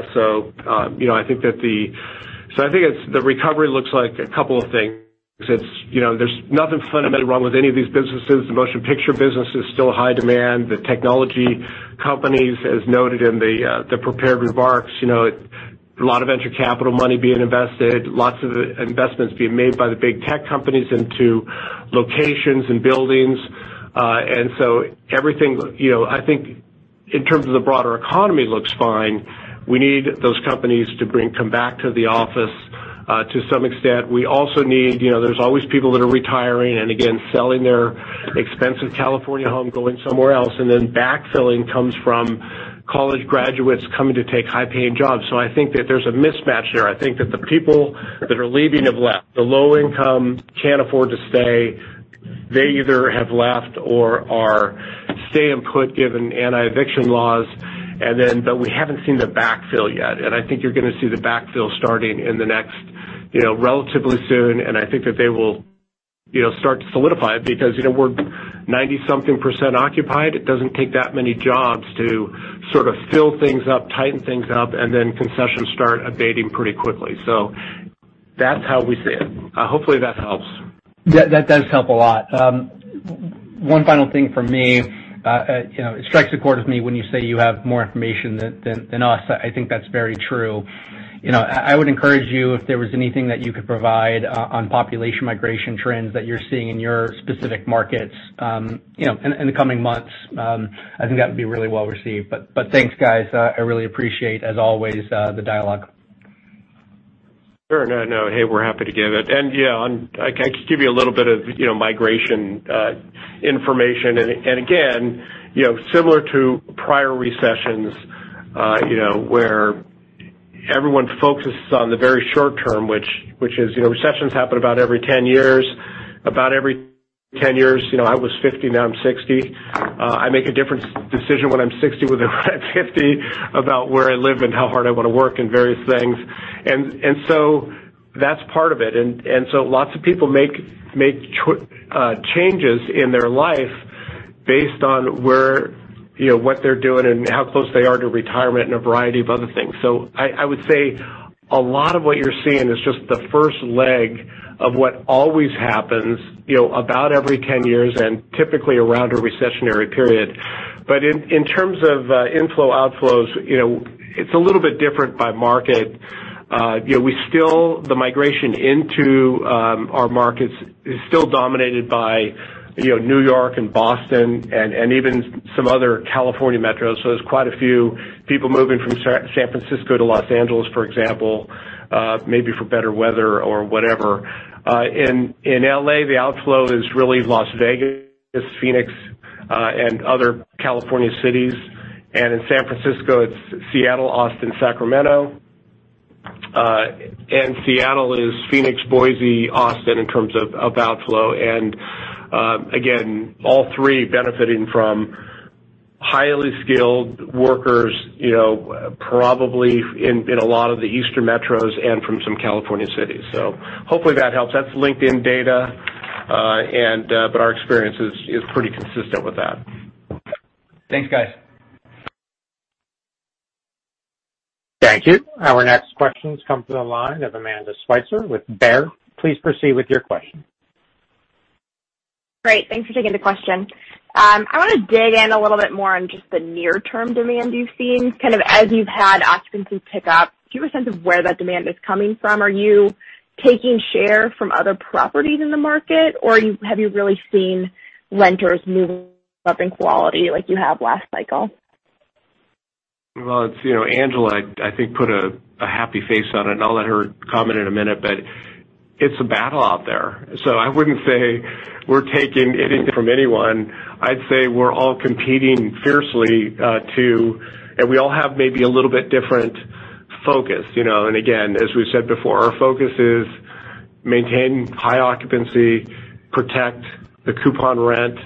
I think the recovery looks like a couple of things. There's nothing fundamentally wrong with any of these businesses. The motion picture business is still high demand. The technology companies, as noted in the prepared remarks, a lot of venture capital money being invested, lots of investments being made by the big tech companies into locations and buildings. Everything, I think, in terms of the broader economy, looks fine. We need those companies to come back to the office, to some extent. There's always people that are retiring, and again, selling their expensive California home, going somewhere else. Then backfilling comes from college graduates coming to take high-paying jobs. I think that there's a mismatch there. I think that the people that are leaving have left. The low income can't afford to stay. They either have left or are staying put given anti-eviction laws, but we haven't seen the backfill yet. I think you're going to see the backfill starting relatively soon, and I think that they will start to solidify because we're 90-something percent occupied. It doesn't take that many jobs to sort of fill things up, tighten things up, and then concessions start abating pretty quickly. That's how we see it. Hopefully, that helps. That does help a lot. One final thing from me. It strikes a chord with me when you say you have more information than us. I think that's very true. I would encourage you if there was anything that you could provide on population migration trends that you're seeing in your specific markets in the coming months, I think that would be really well-received. Thanks, guys. I really appreciate, as always, the dialogue. Sure. No, hey, we're happy to give it. Yeah, I can give you a little bit of migration information. Again, similar to prior recessions, where everyone focuses on the very short term, which is recessions happen about every 10 years. About every 10 years, I was 50, now I'm 60. I make a different decision when I'm 60 than when I'm 50 about where I live and how hard I want to work and various things. That's part of it, and so lots of people make changes in their life based on what they're doing and how close they are to retirement and a variety of other things. I would say a lot of what you're seeing is just the first leg of what always happens about every 10 years and typically around a recessionary period. In terms of inflow outflows, it's a little bit different by market. The migration into our markets is still dominated by New York and Boston and even some other California metros. There's quite a few people moving from San Francisco to Los Angeles, for example, maybe for better weather or whatever. In L.A., the outflow is really Las Vegas, Phoenix, and other California cities. In San Francisco, it's Seattle, Austin, Sacramento. Seattle is Phoenix, Boise, Austin, in terms of outflow. Again, all three benefiting from highly skilled workers probably in a lot of the eastern metros and from some California cities. Hopefully that helps. That's LinkedIn data, but our experience is pretty consistent with that. Thanks, guys. Thank you. Our next questions come from the line of Amanda Sweitzer with Baird. Please proceed with your question. Great. Thanks for taking the question. I want to dig in a little bit more on just the near-term demand you've seen. Kind of as you've had occupancy pick up, do you have a sense of where that demand is coming from? Are you taking share from other properties in the market, or have you really seen renters moving up in quality like you have last cycle? Angela, I think, put a happy face on it, and I'll let her comment in a minute, but it's a battle out there. I wouldn't say we're taking anything from anyone. I'd say we're all competing fiercely. We all have maybe a little bit different focus. Again, as we've said before, our focus is maintain high occupancy, protect the coupon rent.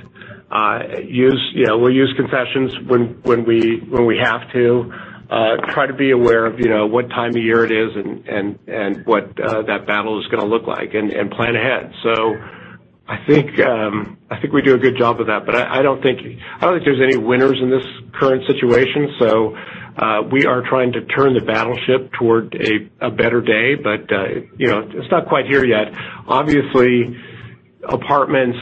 We'll use concessions when we have to, try to be aware of what time of year it is and what that battle is going to look like and plan ahead. I think we do a good job of that, but I don't think there's any winners in this current situation. We are trying to turn the battleship toward a better day, but it's not quite here yet. Obviously, apartments,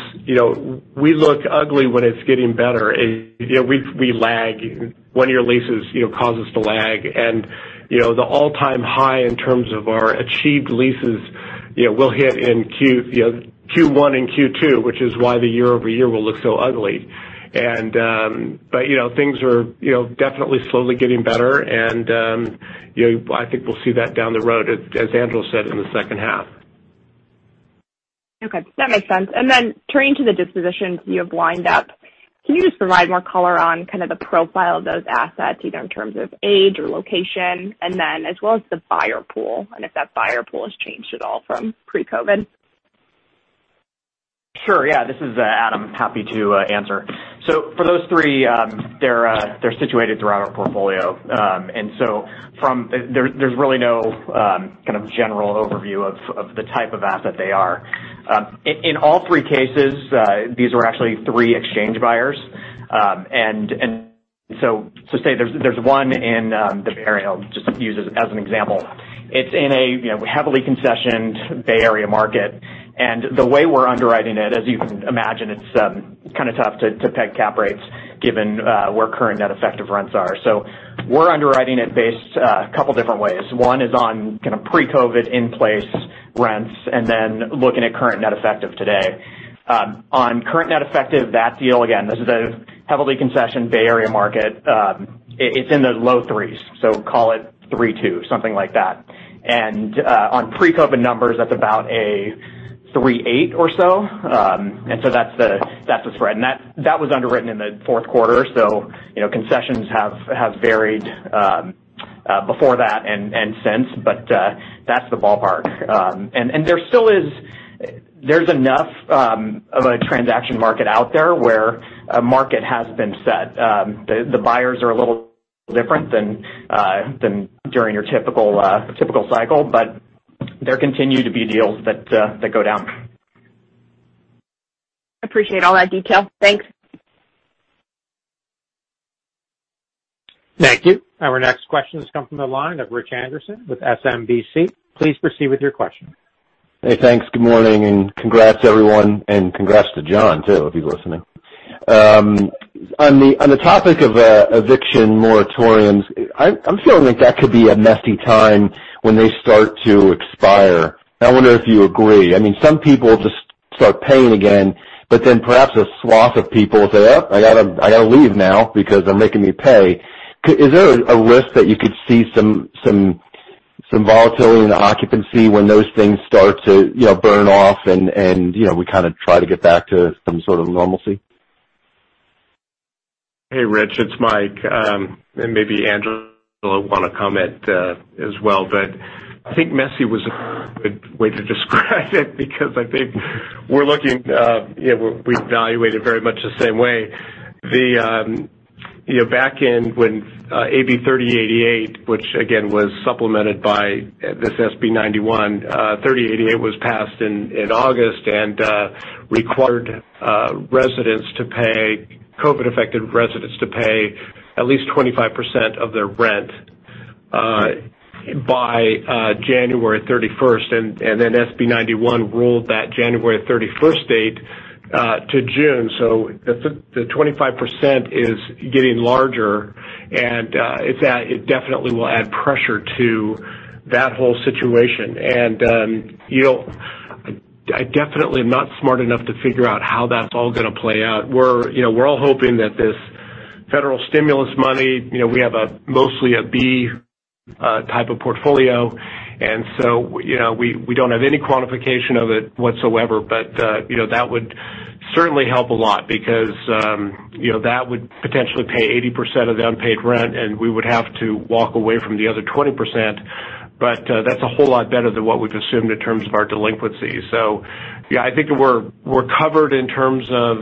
we look ugly when it's getting better. We lag. One-year leases cause us to lag. The all-time high in terms of our achieved leases will hit in Q1 and Q2, which is why the year-over-year will look so ugly. Things are definitely slowly getting better, and I think we'll see that down the road, as Angela said, in the second half. Okay. That makes sense. Turning to the dispositions you have lined up, can you just provide more color on kind of the profile of those assets, either in terms of age or location, and then as well as the buyer pool, and if that buyer pool has changed at all from pre-COVID? Sure. Yeah. This is Adam. Happy to answer. For those three, they're situated throughout our portfolio. There's really no kind of general overview of the type of asset they are. In all three cases, these were actually three exchange buyers. Say there's one in the Bay Area. I'll just use it as an example. It's in a heavily concessioned Bay Area market, and the way we're underwriting it, as you can imagine, it's kind of tough to peg cap rates given where current net effective rents are. We're underwriting it based a couple different ways. One is on kind of pre-COVID in-place rents and then looking at current net effective today. On current net effective, that deal, again, this is a heavily concessioned Bay Area market. It's in the low threes, call it three two, something like that. On pre-COVID numbers, that's about a 3.8 or so. That's the spread. That was underwritten in the fourth quarter, so concessions have varied before that and since, but that's the ballpark. There's enough of a transaction market out there where a market has been set. The buyers are a little different than during your typical cycle, but there continue to be deals that go down. Appreciate all that detail. Thanks. Thank you. Our next questions come from the line of Rich Anderson with SMBC. Please proceed with your question. Hey, thanks. Good morning, and congrats, everyone, and congrats to John, too, if he's listening. On the topic of eviction moratoriums, I'm feeling like that could be a messy time when they start to expire. I wonder if you agree. I mean, some people just start paying again, but then perhaps a swath of people say, "Oh, I got to leave now because they're making me pay." Is there a risk that you could see some volatility in the occupancy when those things start to burn off and we kind of try to get back to some sort of normalcy? Hey, Rich, it's Mike. Maybe Angela will want to comment as well. I think messy was a good way to describe it because I think we evaluate it very much the same way. Back in when AB 3088, which again was supplemented by this SB 91, 3088 was passed in August and required COVID-affected residents to pay at least 25% of their rent by January 31st. SB 91 ruled that January 31st date to June. The 25% is getting larger, and it definitely will add pressure to that whole situation. I definitely am not smart enough to figure out how that's all going to play out. We're all hoping that this federal stimulus money, we have mostly a B type of portfolio. We don't have any quantification of it whatsoever. That would certainly help a lot because that would potentially pay 80% of the unpaid rent, and we would have to walk away from the other 20%. That's a whole lot better than what we've assumed in terms of our delinquency. Yeah, I think we're covered in terms of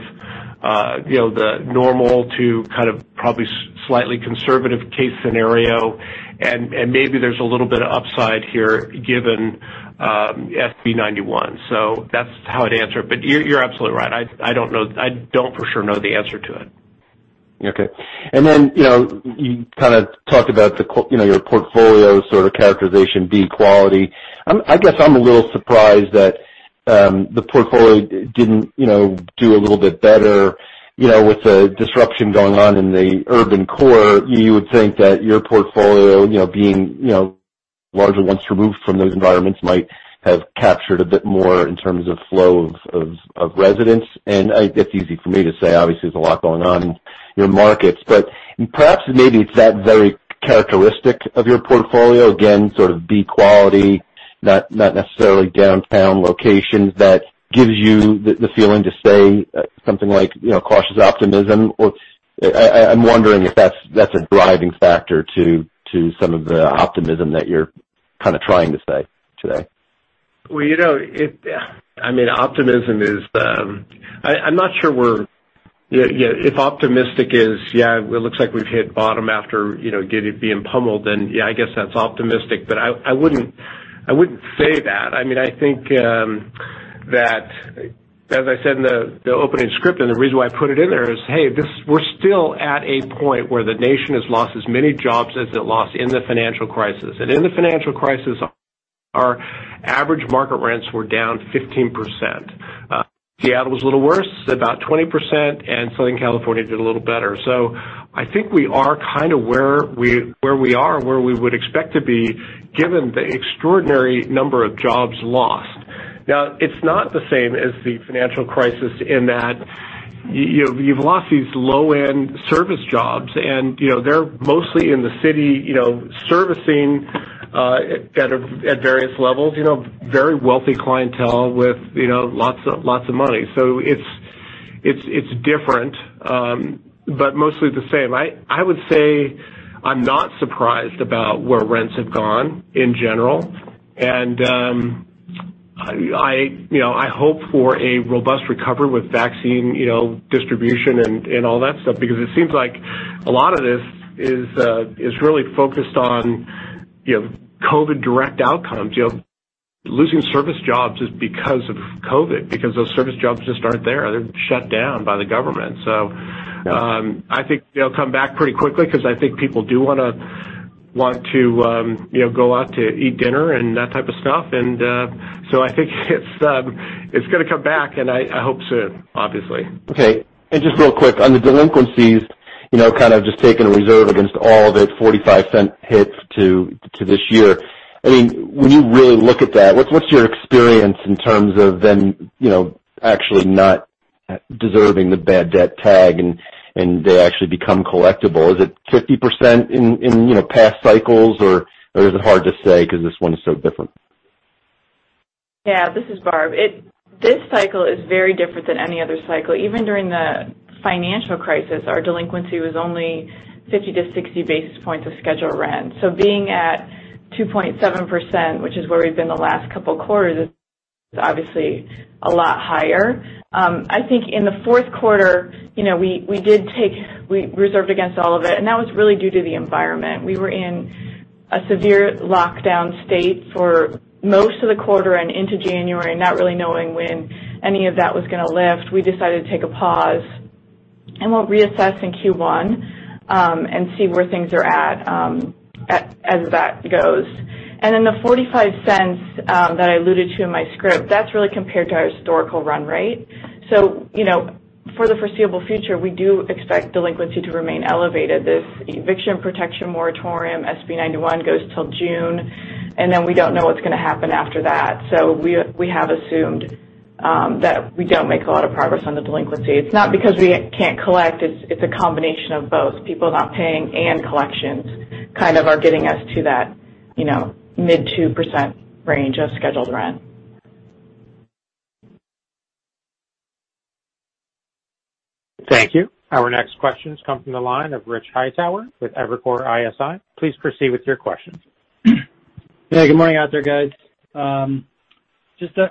the normal to kind of probably slightly conservative case scenario, and maybe there's a little bit of upside here given SB 91. That's how I'd answer it. You're absolutely right. I don't for sure know the answer to it. Okay. You kind of talked about your portfolio sort of characterization B quality. I guess I'm a little surprised that the portfolio didn't do a little bit better. With the disruption going on in the urban core, you would think that your portfolio, being largely once removed from those environments, might have captured a bit more in terms of flow of residents. It's easy for me to say, obviously, there's a lot going on in your markets. Perhaps maybe it's that very characteristic of your portfolio, again, sort of B quality, not necessarily downtown locations, that gives you the feeling to say something like cautious optimism. I'm wondering if that's a driving factor to some of the optimism that you're kind of trying to say today. I'm not sure If optimistic is, yeah, it looks like we've hit bottom after being pummeled, then yeah, I guess that's optimistic. I wouldn't say that. I think that as I said in the opening script, the reason why I put it in there is, hey, we're still at a point where the nation has lost as many jobs as it lost in the financial crisis. In the financial crisis, our average market rents were down 15%. Seattle was a little worse, about 20%, and Southern California did a little better. I think we are kind of where we are and where we would expect to be, given the extraordinary number of jobs lost. It's not the same as the financial crisis in that you've lost these low-end service jobs, and they're mostly in the city servicing at various levels, very wealthy clientele with lots of money. It's different, but mostly the same. I would say I'm not surprised about where rents have gone in general. I hope for a robust recovery with vaccine distribution and all that stuff because it seems like a lot of this is really focused on COVID direct outcomes. Losing service jobs is because of COVID, because those service jobs just aren't there. They're shut down by the government. Yeah I think they'll come back pretty quickly because I think people do want to go out to eat dinner and that type of stuff. I think it's going to come back, and I hope soon, obviously. Okay. Just real quick, on the delinquencies, kind of just taking a reserve against all of it, $0.45 hits to this year. When you really look at that, what's your experience in terms of them actually not deserving the bad debt tag and they actually become collectible? Is it 50% in past cycles, or is it hard to say because this one is so different? This is Barb. This cycle is very different than any other cycle. Even during the financial crisis, our delinquency was only 50-60 basis points of scheduled rent. Being at 2.7%, which is where we've been the last couple of quarters, is obviously a lot higher. I think in the fourth quarter, we reserved against all of it, and that was really due to the environment. We were in a severe lockdown state for most of the quarter and into January, not really knowing when any of that was going to lift. We decided to take a pause, and we'll reassess in Q1 and see where things are at as that goes. The $0.45 that I alluded to in my script, that's really compared to our historical run rate. For the foreseeable future, we do expect delinquency to remain elevated. This eviction protection moratorium, SB 91, goes until June. We don't know what's going to happen after that. We have assumed that we don't make a lot of progress on the delinquency. It's not because we can't collect. It's a combination of both. People not paying and collections kind of are getting us to that mid 2% range of scheduled rent. Thank you. Our next questions come from the line of Rich Hightower with Evercore ISI. Please proceed with your questions. Hey, good morning out there, guys. Just on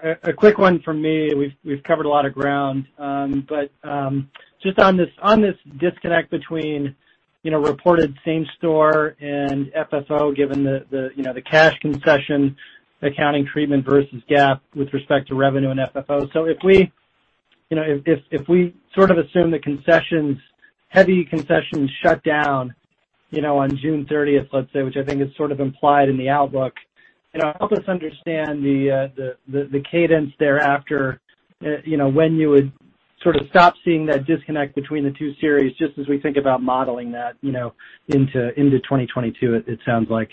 this disconnect between reported same store and FFO, given the cash concession accounting treatment versus GAAP with respect to revenue and FFO. If we sort of assume the heavy concessions shut down on June 30th, let's say, which I think is sort of implied in the outlook. Help us understand the cadence thereafter, when you would sort of stop seeing that disconnect between the two series, just as we think about modeling that into 2022, it sounds like.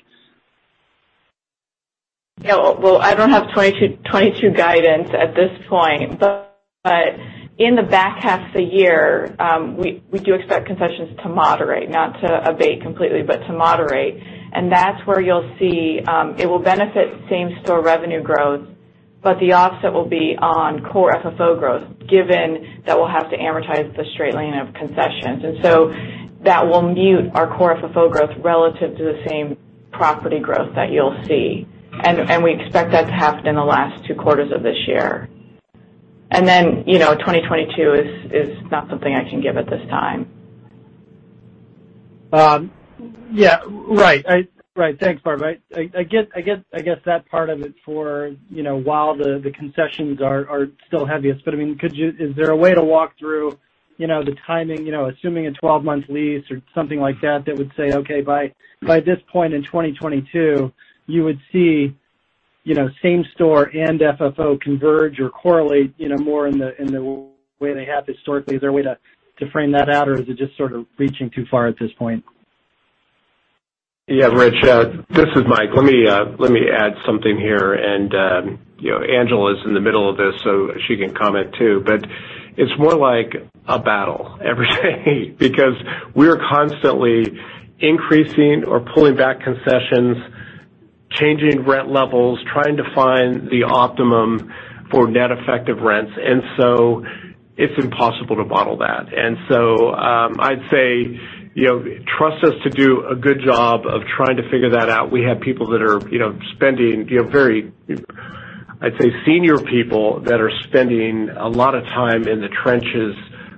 Yeah. Well, I don't have 2022 guidance at this point, but in the back half of the year, we do expect concessions to moderate, not to abate completely, but to moderate. That's where you'll see it will benefit same-store revenue growth, but the offset will be on core FFO growth, given that we'll have to amortize the straight line of concessions. That will mute our core FFO growth relative to the same property growth that you'll see. We expect that to happen in the last two quarters of this year. 2022 is not something I can give at this time. Yeah. Right. Thanks, Barb. I guess that part of it for while the concessions are still heaviest. Is there a way to walk through the timing, assuming a 12-month lease or something like that would say, okay, by this point in 2022, you would see same store and FFO converge or correlate more in the way they have historically? Is there a way to frame that out, or is it just sort of reaching too far at this point? Yeah, Rich, this is Mike. Let me add something here, and Angela's in the middle of this, so she can comment too. It's more like a battle every day because we're constantly increasing or pulling back concessions, changing rent levels, trying to find the optimum for net effective rents. It's impossible to bottle that. I'd say, trust us to do a good job of trying to figure that out. We have people that are spending very I'd say senior people that are spending a lot of time in the trenches,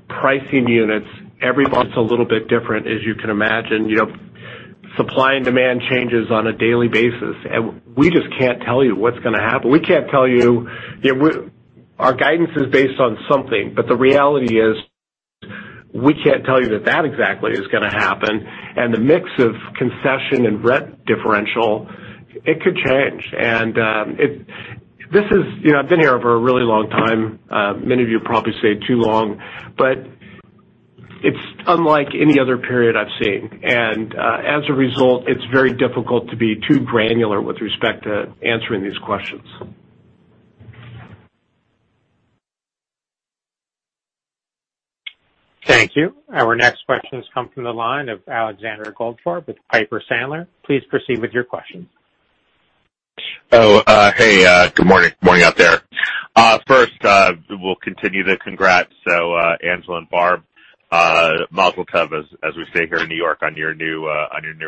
pricing units. Every month's a little bit different, as you can imagine. Supply and demand changes on a daily basis, and we just can't tell you what's going to happen. Our guidance is based on something, but the reality is we can't tell you that that exactly is going to happen. The mix of concession and rent differential, it could change. I've been here for a really long time. Many of you probably say too long, but it's unlike any other period I've seen. As a result, it's very difficult to be too granular with respect to answering these questions. Thank you. Our next questions come from the line of Alexander Goldfarb with Piper Sandler. Please proceed with your question. Oh, hey, good morning. Morning out there. First, we'll continue the congrats. Angela and Barb, mazel tov, as we say here in New York, on your new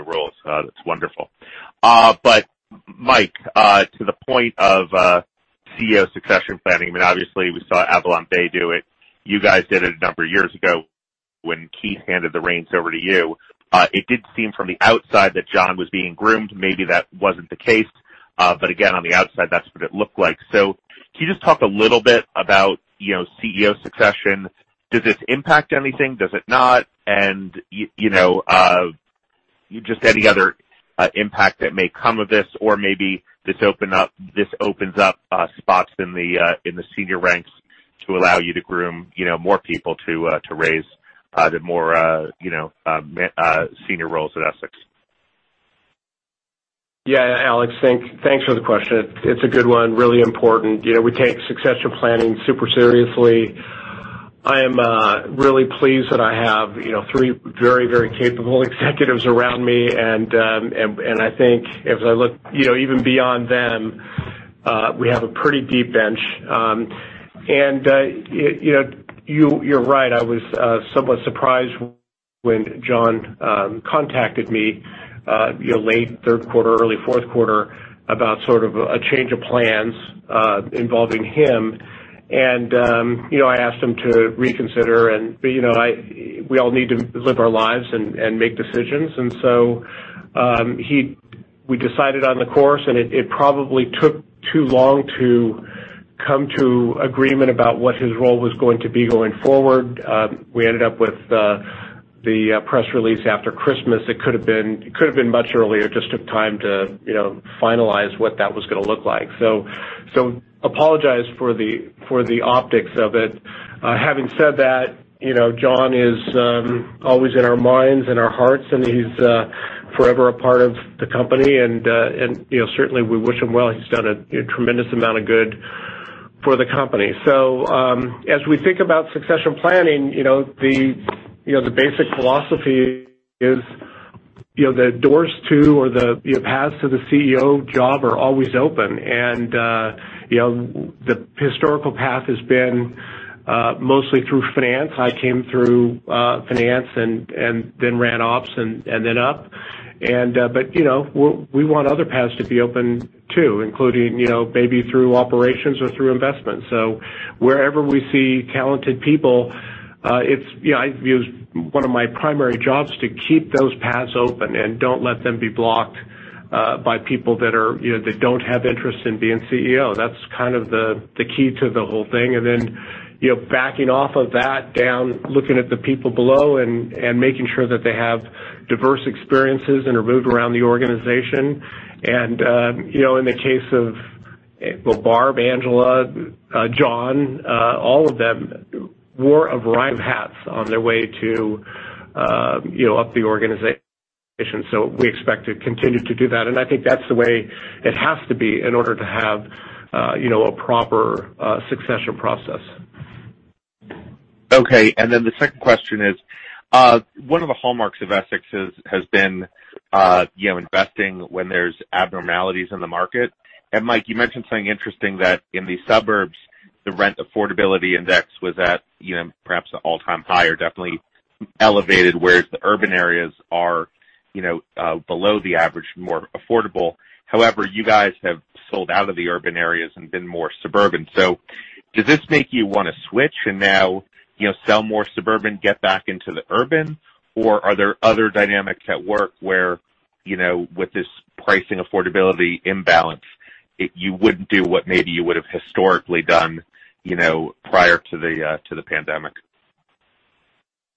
roles. That's wonderful. Mike, to the point of CEO succession planning, obviously we saw AvalonBay do it. You guys did it a number of years ago when Keith handed the reins over to you. It did seem from the outside that John was being groomed. Maybe that wasn't the case, but again, on the outside, that's what it looked like. Can you just talk a little bit about CEO succession? Does this impact anything? Does it not? Just any other impact that may come of this, or maybe this opens up spots in the senior ranks to allow you to groom more people to raise to more senior roles at Essex. Yeah, Alex, thanks for the question. It's a good one. Really important. We take succession planning super seriously. I am really pleased that I have three very capable executives around me, and I think as I look even beyond them, we have a pretty deep bench. You're right, I was somewhat surprised when John contacted me late third quarter, early fourth quarter, about sort of a change of plans involving him. I asked him to reconsider, but we all need to live our lives and make decisions. We decided on the course, and it probably took too long to come to agreement about what his role was going to be going forward. We ended up with the press release after Christmas. It could've been much earlier. It just took time to finalize what that was going to look like. Apologize for the optics of it. Having said that, John is always in our minds and our hearts, and he's forever a part of the company. Certainly, we wish him well. He's done a tremendous amount of good for the company. As we think about succession planning, the basic philosophy is the doors to or the paths to the CEO job are always open. The historical path has been mostly through finance. I came through finance and then ran ops and then up. We want other paths to be open too, including maybe through operations or through investment. Wherever we see talented people, I view as one of my primary jobs to keep those paths open and don't let them be blocked by people that don't have interest in being CEO. That's kind of the key to the whole thing. Then backing off of that down, looking at the people below and making sure that they have diverse experiences and are moved around the organization. In the case of Barb, Angela, John, all of them wore a variety of hats on their way to up the organization. We expect to continue to do that. I think that's the way it has to be in order to have a proper succession process. Okay. The second question is, one of the hallmarks of Essex has been investing when there's abnormalities in the market. Mike, you mentioned something interesting that in the suburbs, the rent affordability index was at perhaps the all-time high, or definitely elevated, whereas the urban areas are below the average, more affordable. However, you guys have sold out of the urban areas and been more suburban. Does this make you want to switch and now sell more suburban, get back into the urban? Are there other dynamics at work where, with this pricing affordability imbalance, you wouldn't do what maybe you would've historically done prior to the pandemic?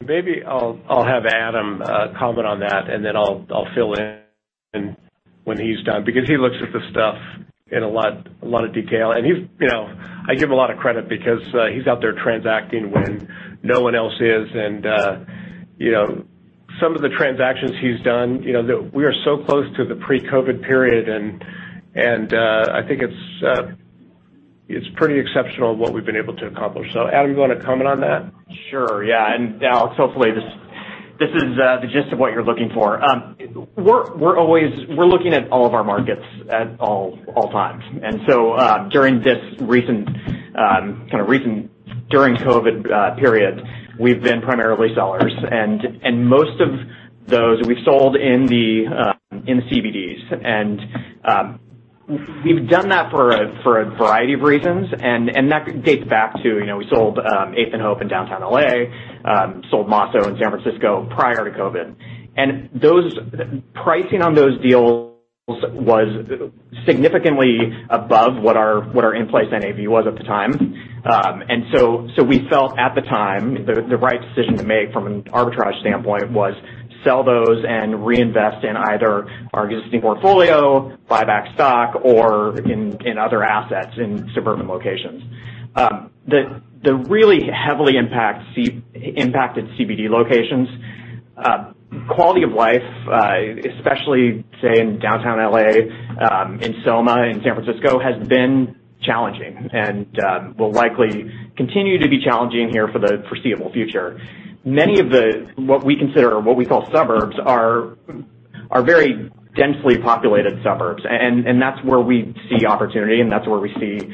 Maybe I'll have Adam comment on that, and then I'll fill in when he's done, because he looks at the stuff in a lot of detail. I give him a lot of credit because he's out there transacting when no one else is. Some of the transactions he's done, we are so close to the pre-COVID period, and I think it's pretty exceptional what we've been able to accomplish. Adam, you want to comment on that? Alex, hopefully this is the gist of what you're looking for. We're looking at all of our markets at all times. During this recent kind of during COVID period, we've been primarily sellers. Most of those we sold in the CBDs. We've done that for a variety of reasons, and that dates back to we sold Eighth and Hope in downtown L.A., sold Mosso in San Francisco prior to COVID. Pricing on those deals was significantly above what our in-place NAV was at the time. We felt at the time the right decision to make from an arbitrage standpoint was sell those and reinvest in either our existing portfolio, buy back stock, or in other assets in suburban locations. The really heavily impacted CBD locations, quality of life, especially, say, in downtown L.A., in SoMa in San Francisco, has been challenging, and will likely continue to be challenging here for the foreseeable future. Many of the, what we consider, what we call suburbs, are very densely populated suburbs, and that's where we see opportunity, and that's where we see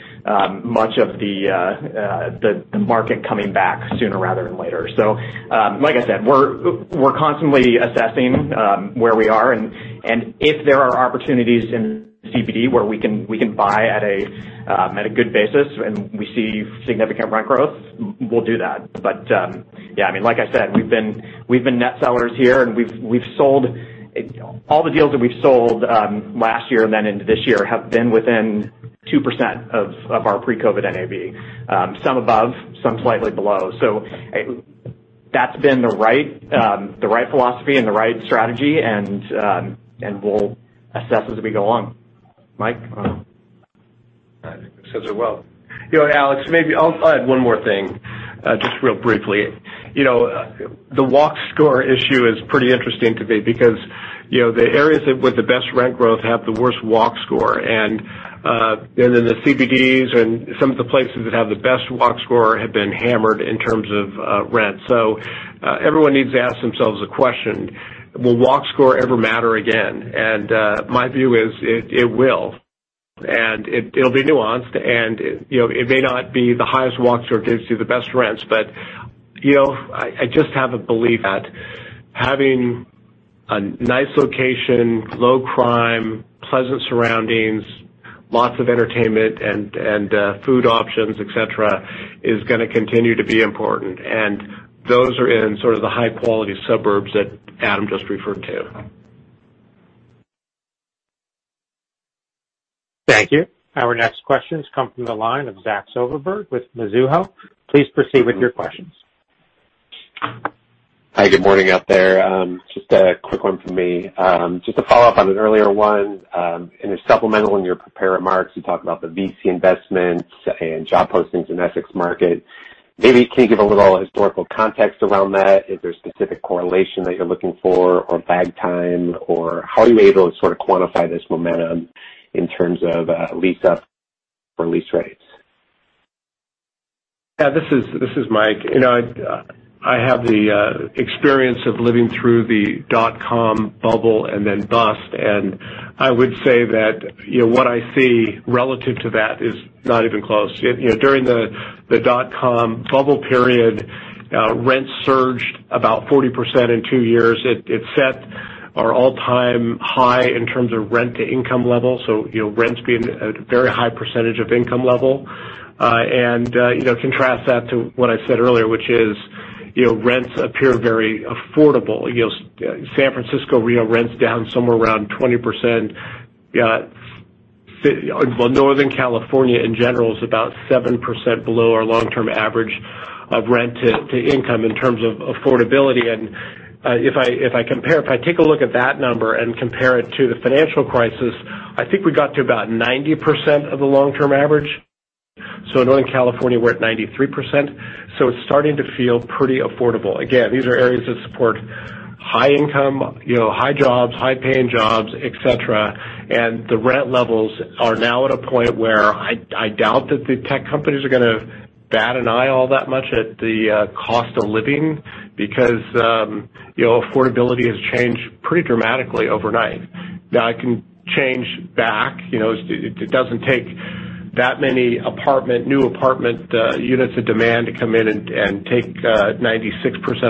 much of the market coming back sooner rather than later. Like I said, we're constantly assessing where we are, and if there are opportunities in CBD where we can buy at a good basis and we see significant rent growth, we'll do that. Yeah, like I said, we've been net sellers here, and all the deals that we've sold last year and then into this year have been within 2% of our pre-COVID NAV. Some above, some slightly below. That's been the right philosophy and the right strategy, and we'll assess as we go along. Mike? I think that says it well. Alex, maybe I'll add one more thing, just real briefly. The Walk Score issue is pretty interesting to me because the areas with the best rent growth have the worst Walk Score. The CBDs and some of the places that have the best Walk Score have been hammered in terms of rent. Everyone needs to ask themselves a question, will Walk Score ever matter again? My view is it will, and it'll be nuanced and it may not be the highest Walk Score gives you the best rents, but I just have a belief that having a nice location, low crime, pleasant surroundings, lots of entertainment and food options, et cetera, is going to continue to be important. Those are in sort of the high-quality suburbs that Adam just referred to. Thank you. Our next questions come from the line of Zach Silverberg with Mizuho. Please proceed with your questions. Hi. Good morning out there. Just a quick one from me. Just to follow up on an earlier one, it's supplemental in your prepared remarks, you talked about the VC investments and job postings in Essex Market. Maybe can you give a little historical context around that? Is there specific correlation that you're looking for or lag time, or how are you able to sort of quantify this momentum in terms of lease up or lease rates? Yeah. This is Mike. I have the experience of living through the dot-com bubble and then bust, and I would say that what I see relative to that is not even close. During the dot-com bubble period, rents surged about 40% in two years. It set our all-time high in terms of rent-to-income level, rents being at a very high percentage of income level. Contrast that to what I said earlier, which is, rents appear very affordable. San Francisco real rents down somewhere around 20%. Northern California in general is about 7% below our long-term average of rent to income in terms of affordability. If I take a look at that number and compare it to the financial crisis, I think we got to about 90% of the long-term average. Northern California, we're at 93%, so it's starting to feel pretty affordable. These are areas that support high income, high jobs, high-paying jobs, et cetera, and the rent levels are now at a point where I doubt that the tech companies are going to bat an eye all that much at the cost of living because affordability has changed pretty dramatically overnight. It can change back. It doesn't take that many new apartment units of demand to come in and take 96%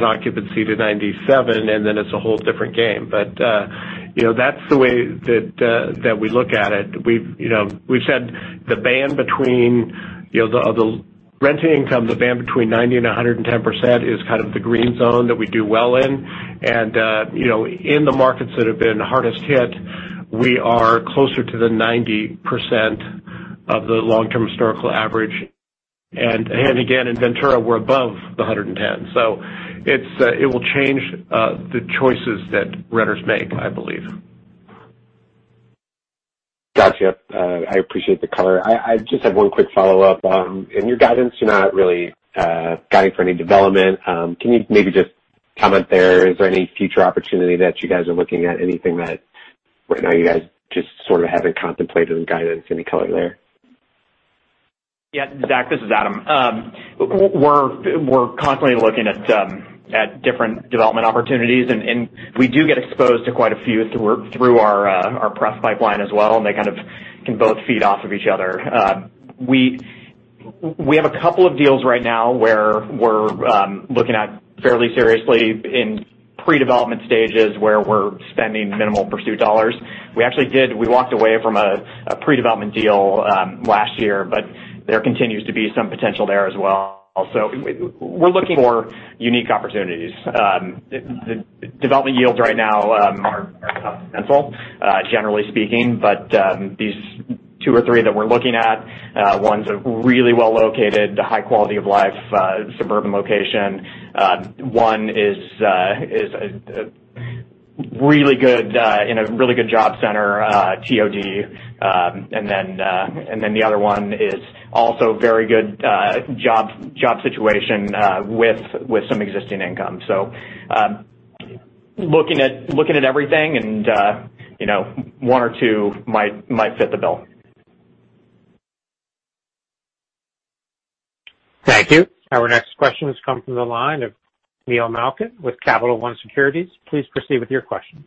occupancy to 97%, and then it's a whole different game. That's the way that we look at it. We've said the band between the rent-to-income, the band between 90% and 110%, is kind of the green zone that we do well in. In the markets that have been hardest hit, we are closer to the 90% of the long-term historical average. Again, in Ventura, we're above the 110%. It will change the choices that renters make, I believe. Got you. I appreciate the color. I just have one quick follow-up. In your guidance, you're not really guiding for any development. Can you maybe just comment there? Is there any future opportunity that you guys are looking at? Anything that right now you guys just sort of haven't contemplated in guidance? Any color there? Zach, this is Adam. We're constantly looking at different development opportunities, and we do get exposed to quite a few through our pre-development pipeline as well, and they kind of can both feed off of each other. We have a couple of deals right now where we're looking at fairly seriously in pre-development stages, where we're spending minimal pursuit dollars. We actually did. We walked away from a pre-development deal last year, there continues to be some potential there as well. We're looking for unique opportunities. Development yields right now are substantial, generally speaking. These two or three that we're looking at, one's a really well-located, high quality of life suburban location. One is in a really good job center, TOD. The other one is also very good job situation with some existing income. Looking at everything and one or two might fit the bill. Thank you. Our next question has come from the line of Neil Malkin with Capital One Securities. Please proceed with your questions.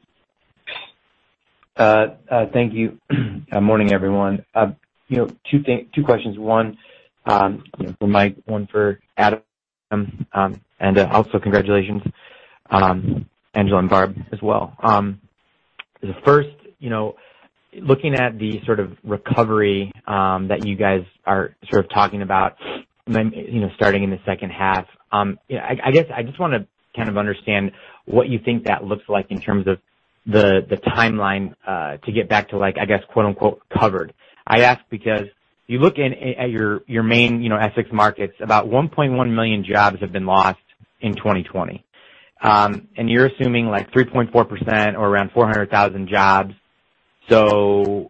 Thank you. Morning, everyone. Two questions. One for Mike, one for Adam, and also congratulations, Angela and Barb as well. Looking at the sort of recovery that you guys are sort of talking about starting in the second half, I guess I just want to kind of understand what you think that looks like in terms of the timeline to get back to like, I guess quote unquote covered. I ask because you look at your main Essex markets, about 1.1 million jobs have been lost in 2020. You're assuming like 3.4% or around 400,000 jobs. A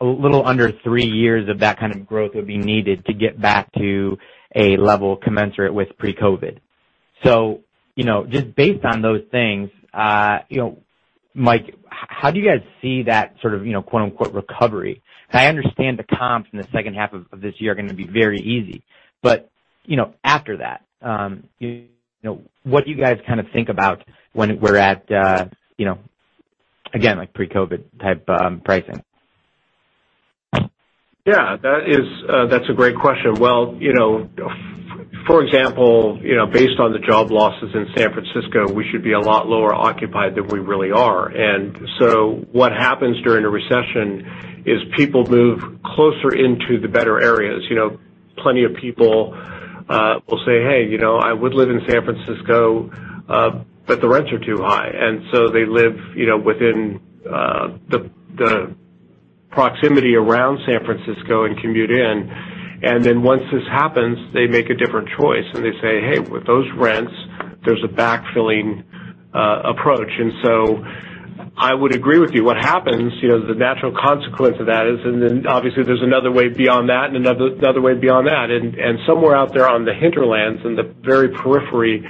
little under three years of that kind of growth would be needed to get back to a level commensurate with pre-COVID. Just based on those things, Mike, how do you guys see that sort of "recovery?" I understand the comps in the second half of this year are going to be very easy. After that, what do you guys kind of think about when we're at, again, like pre-COVID type pricing? Yeah, that's a great question. Well, for example, based on the job losses in San Francisco, we should be a lot lower occupied than we really are. What happens during a recession is people move closer into the better areas. Plenty of people will say, "Hey, I would live in San Francisco, but the rents are too high." They live within the proximity around San Francisco and commute in. Once this happens, they make a different choice and they say, "Hey, with those rents, there's a backfilling approach." I would agree with you. What happens, the natural consequence of that is, obviously there's another way beyond that and another way beyond that. Somewhere out there on the hinterlands in the very periphery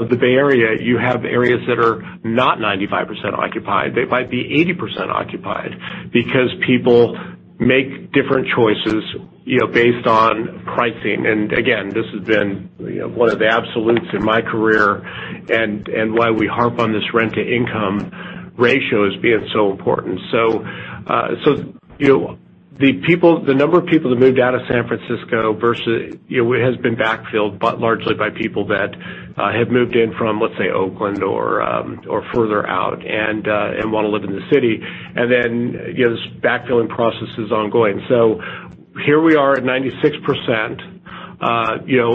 of the Bay Area, you have areas that are not 95% occupied. They might be 80% occupied because people make different choices based on pricing. Again, this has been one of the absolutes in my career and why we harp on this rent-to-income ratio as being so important. The number of people that moved out of San Francisco has been backfilled largely by people that have moved in from, let's say, Oakland or further out and want to live in the city. Then this backfilling process is ongoing. Here we are at 96%,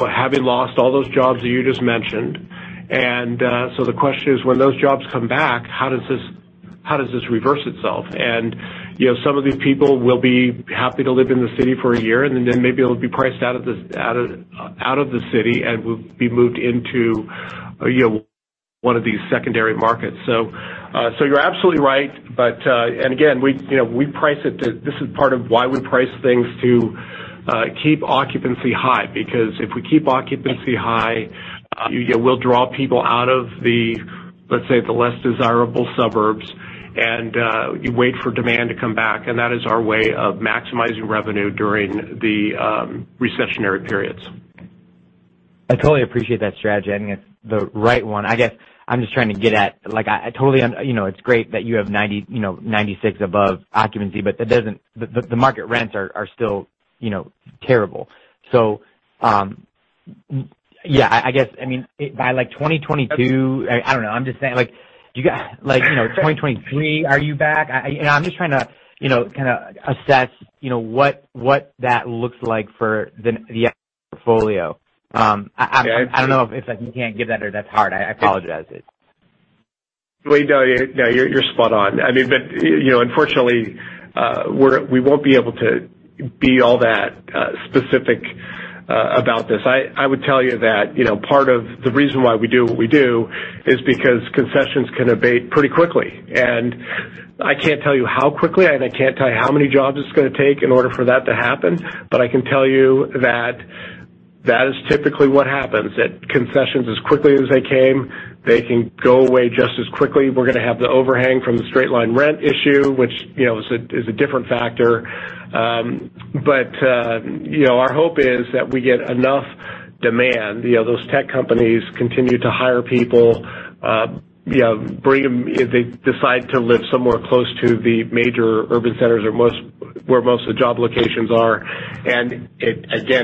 having lost all those jobs that you just mentioned. The question is, when those jobs come back, how does this reverse itself? Some of these people will be happy to live in the city for a year, then maybe they'll be priced out of the city and will be moved into one of these secondary markets. You're absolutely right. Again, this is part of why we price things to keep occupancy high, because if we keep occupancy high, we'll draw people out of the, let's say, the less desirable suburbs, and you wait for demand to come back, and that is our way of maximizing revenue during the recessionary periods. I totally appreciate that strategy. I think it's the right one. I guess I'm just trying to get at, it's great that you have 96 above occupancy, but the market rents are still terrible. Yeah, I guess, by 2022, I don't know. I'm just saying. 2023, are you back? I'm just trying to kind of assess what that looks like for the portfolio. Yeah, I see. I don't know if you can't give that or that's hard. I apologize. Well, no, you're spot on. Unfortunately, we won't be able to be all that specific about this. I would tell you that part of the reason why we do what we do is because concessions can abate pretty quickly, and I can't tell you how quickly, and I can't tell you how many jobs it's going to take in order for that to happen. I can tell you that that is typically what happens, that concessions, as quickly as they came, they can go away just as quickly. We're going to have the overhang from the straight-line rent issue, which is a different factor. Our hope is that we get enough demand. Those tech companies continue to hire people, bring them if they decide to live somewhere close to the major urban centers or where most of the job locations are. Again,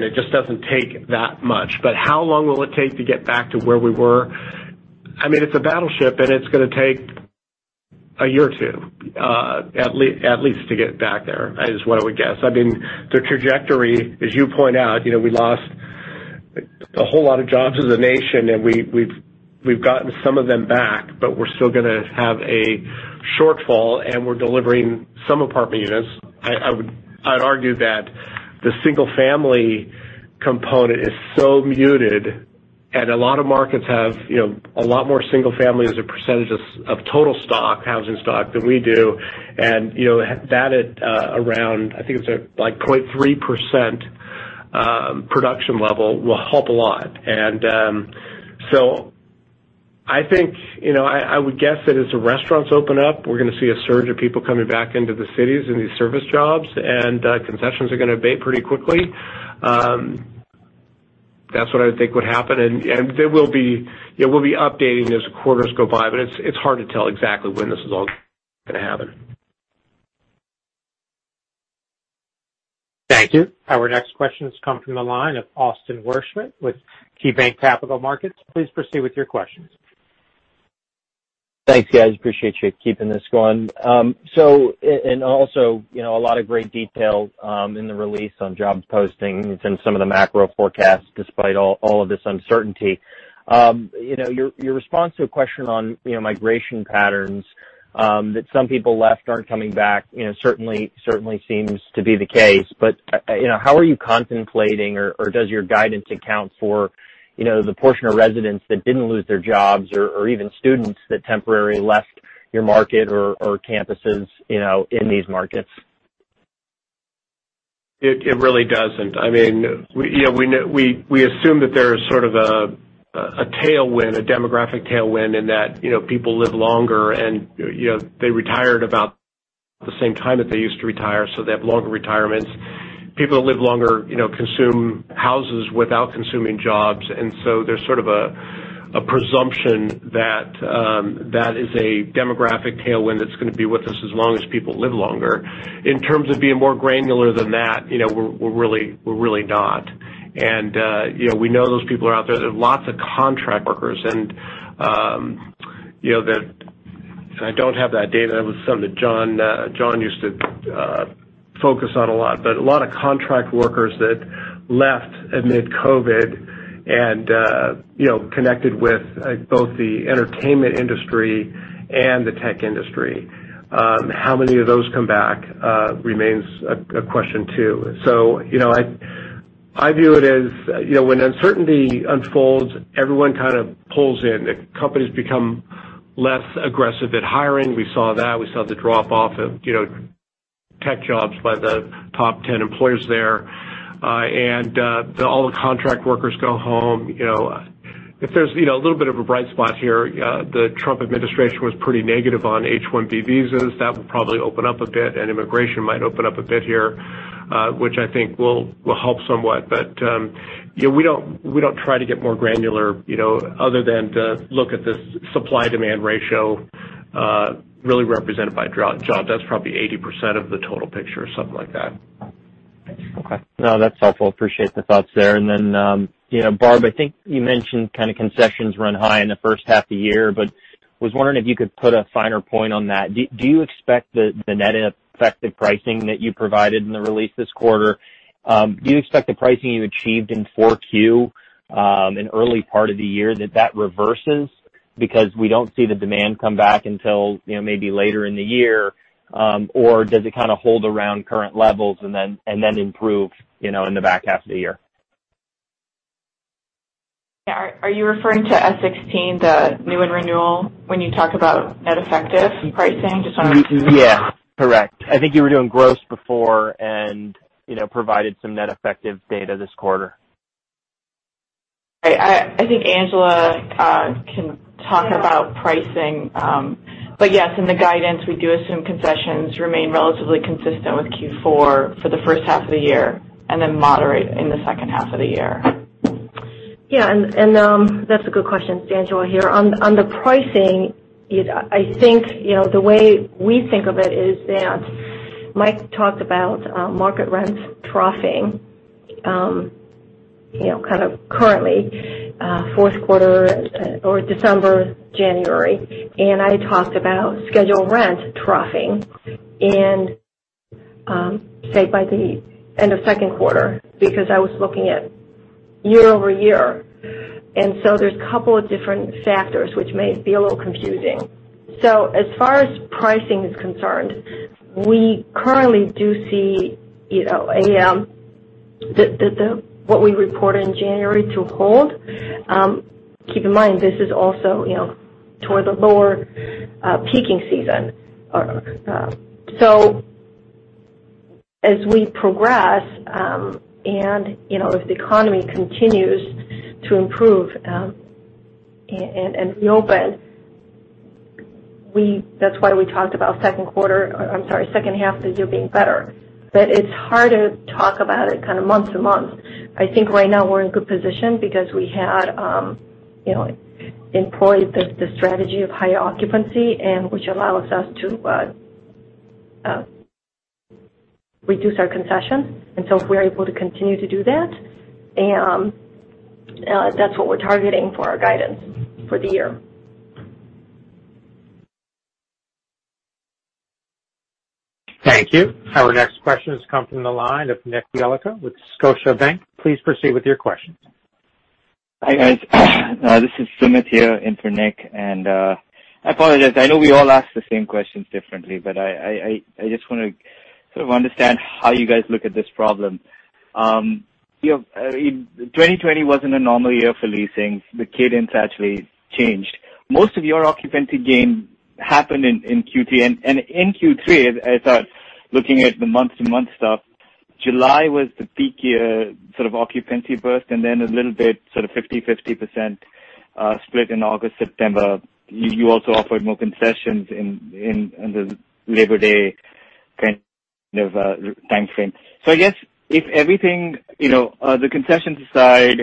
it just doesn't take that much. How long will it take to get back to where we were? It's a battleship, and it's going to take a year or two, at least to get back there, is what I would guess. The trajectory, as you point out, we lost a whole lot of jobs as a nation, and we've gotten some of them back, but we're still going to have a shortfall, and we're delivering some apartment units. I'd argue that the single-family component is so muted, and a lot of markets have a lot more single-family as a percentage of total stock, housing stock, than we do. That at around, I think it's at 0.3% production level will help a lot. I think, I would guess that as the restaurants open up, we're going to see a surge of people coming back into the cities in these service jobs, and concessions are going to abate pretty quickly. That's what I would think would happen. We'll be updating as quarters go by, but it's hard to tell exactly when this is all going to happen. Thank you. Our next question has come from the line of Austin Wurschmidt with KeyBanc Capital Markets. Please proceed with your questions. Thanks, guys. Appreciate you keeping this going. A lot of great detail in the release on jobs postings and some of the macro forecasts despite all of this uncertainty. Your response to a question on migration patterns, that some people left aren't coming back certainly seems to be the case. How are you contemplating or does your guidance account for the portion of residents that didn't lose their jobs or even students that temporarily left your market or campuses in these markets? It really doesn't. We assume that there is sort of a tailwind, a demographic tailwind, and that people live longer and they retired about the same time that they used to retire, so they have longer retirements. People that live longer consume houses without consuming jobs, and so there's sort of a presumption that that is a demographic tailwind that's going to be with us as long as people live longer. In terms of being more granular than that, we're really not. We know those people are out there. There are lots of contract workers, and I don't have that data. That was something that John used to focus on a lot. A lot of contract workers that left amid COVID and connected with both the entertainment industry and the tech industry. How many of those come back remains a question, too. I view it as when uncertainty unfolds, everyone kind of pulls in. Companies become less aggressive at hiring. We saw that. We saw the drop-off of tech jobs by the top 10 employers there. All the contract workers go home. If there's a little bit of a bright spot here, the Trump administration was pretty negative on H-1B visas. That will probably open up a bit, and immigration might open up a bit here, which I think will help somewhat. We don't try to get more granular other than to look at this supply-demand ratio really represented by John. That's probably 80% of the total picture or something like that. Okay. No, that's helpful. Appreciate the thoughts there. Barb, I think you mentioned kind of concessions run high in the first half of the year, but was wondering if you could put a finer point on that. Do you expect the pricing you achieved in 4Q and early part of the year, that reverses because we don't see the demand come back until maybe later in the year? Does it kind of hold around current levels and then improve in the back half of the year? Yeah. Are you referring to S16, the new and renewal, when you talk about net effective pricing? Just wondering. Yeah, correct. I think you were doing gross before and provided some net effective data this quarter. I think Angela can talk about pricing. Yes, in the guidance, we do assume concessions remain relatively consistent with Q4 for the first half of the year, and then moderate in the second half of the year. Yeah, that's a good question. It's Angela here. On the pricing, I think the way we think of it is that Mike talked about market rents troughing, kind of currently, fourth quarter or December, January, I talked about scheduled rent troughing in, say by the end of second quarter, because I was looking at year-over-year. There's a couple of different factors which may be a little confusing. As far as pricing is concerned, we currently do see what we reported in January to hold. Keep in mind, this is also toward the lower peaking season. As we progress, and if the economy continues to improve, and reopen, that's why we talked about second quarter I'm sorry, second half of the year being better. It's hard to talk about it kind of month-to-month. I think right now we're in a good position because we had employed the strategy of higher occupancy, and which allows us to reduce our concessions. If we're able to continue to do that's what we're targeting for our guidance for the year. Thank you. Our next question has come from the line of Nick Yulico with Scotiabank. Please proceed with your questions. Hi, guys. This is Sumit here in for Nick. I apologize. I know we all ask the same questions differently. I just want to sort of understand how you guys look at this problem. 2020 wasn't a normal year for leasing. The cadence actually changed. Most of your occupancy gain happened in Q3. In Q3, as I was looking at the month-to-month stuff, July was the peak year sort of occupancy burst, and then a little bit sort of 50/50 percent split in August, September. You also offered more concessions in the Labor Day kind of timeframe. I guess if everything, the concessions aside,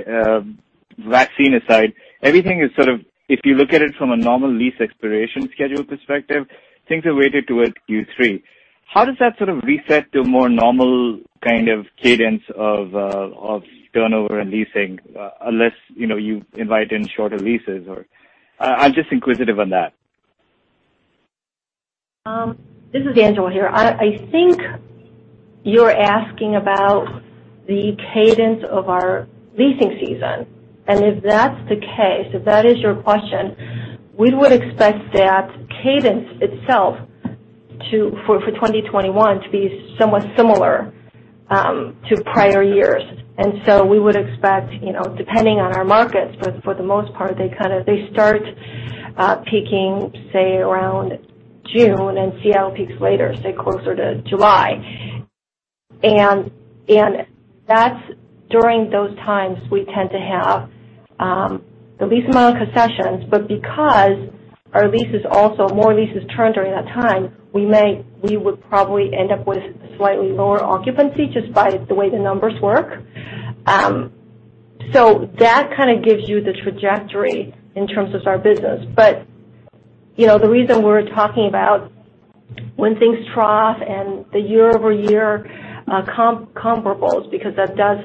vaccine aside, everything is sort of, if you look at it from a normal lease expiration schedule perspective, things are weighted towards Q3. How does that sort of reset to a more normal kind of cadence of turnover and leasing, unless you invite in shorter leases or I'm just inquisitive on that? This is Angela here. I think you're asking about the cadence of our leasing season. If that's the case, if that is your question, we would expect that cadence itself for 2021 to be somewhat similar to prior years. We would expect, depending on our markets, but for the most part, they start peaking, say, around June, and Seattle peaks later, say, closer to July. That's during those times we tend to have the least amount of concessions. Because our leases also, more leases turn during that time, we would probably end up with slightly lower occupancy just by the way the numbers work. That kind of gives you the trajectory in terms of our business. The reason we're talking about when things trough and the year-over-year comparables, because that does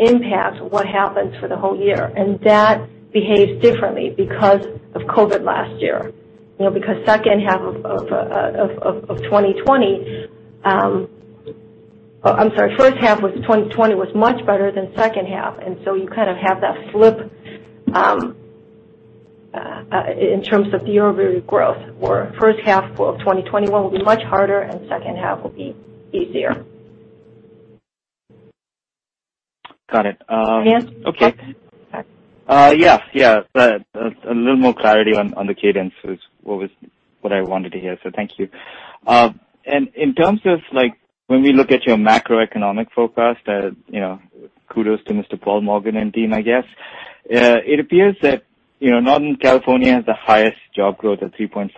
impact what happens for the whole year. That behaves differently because of COVID last year. Second half of 2020 I'm sorry, first half of 2020 was much better than second half. You kind of have that flip in terms of year-over-year growth, where first half of 2021 will be much harder and second half will be easier. Got it. Again? Okay. Yeah. A little more clarity on the cadence was what I wanted to hear. Thank you. In terms of when we look at your macroeconomic forecast, kudos to Mr. Paul Morgan and team, I guess. It appears that Northern California has the highest job growth at 3.4%,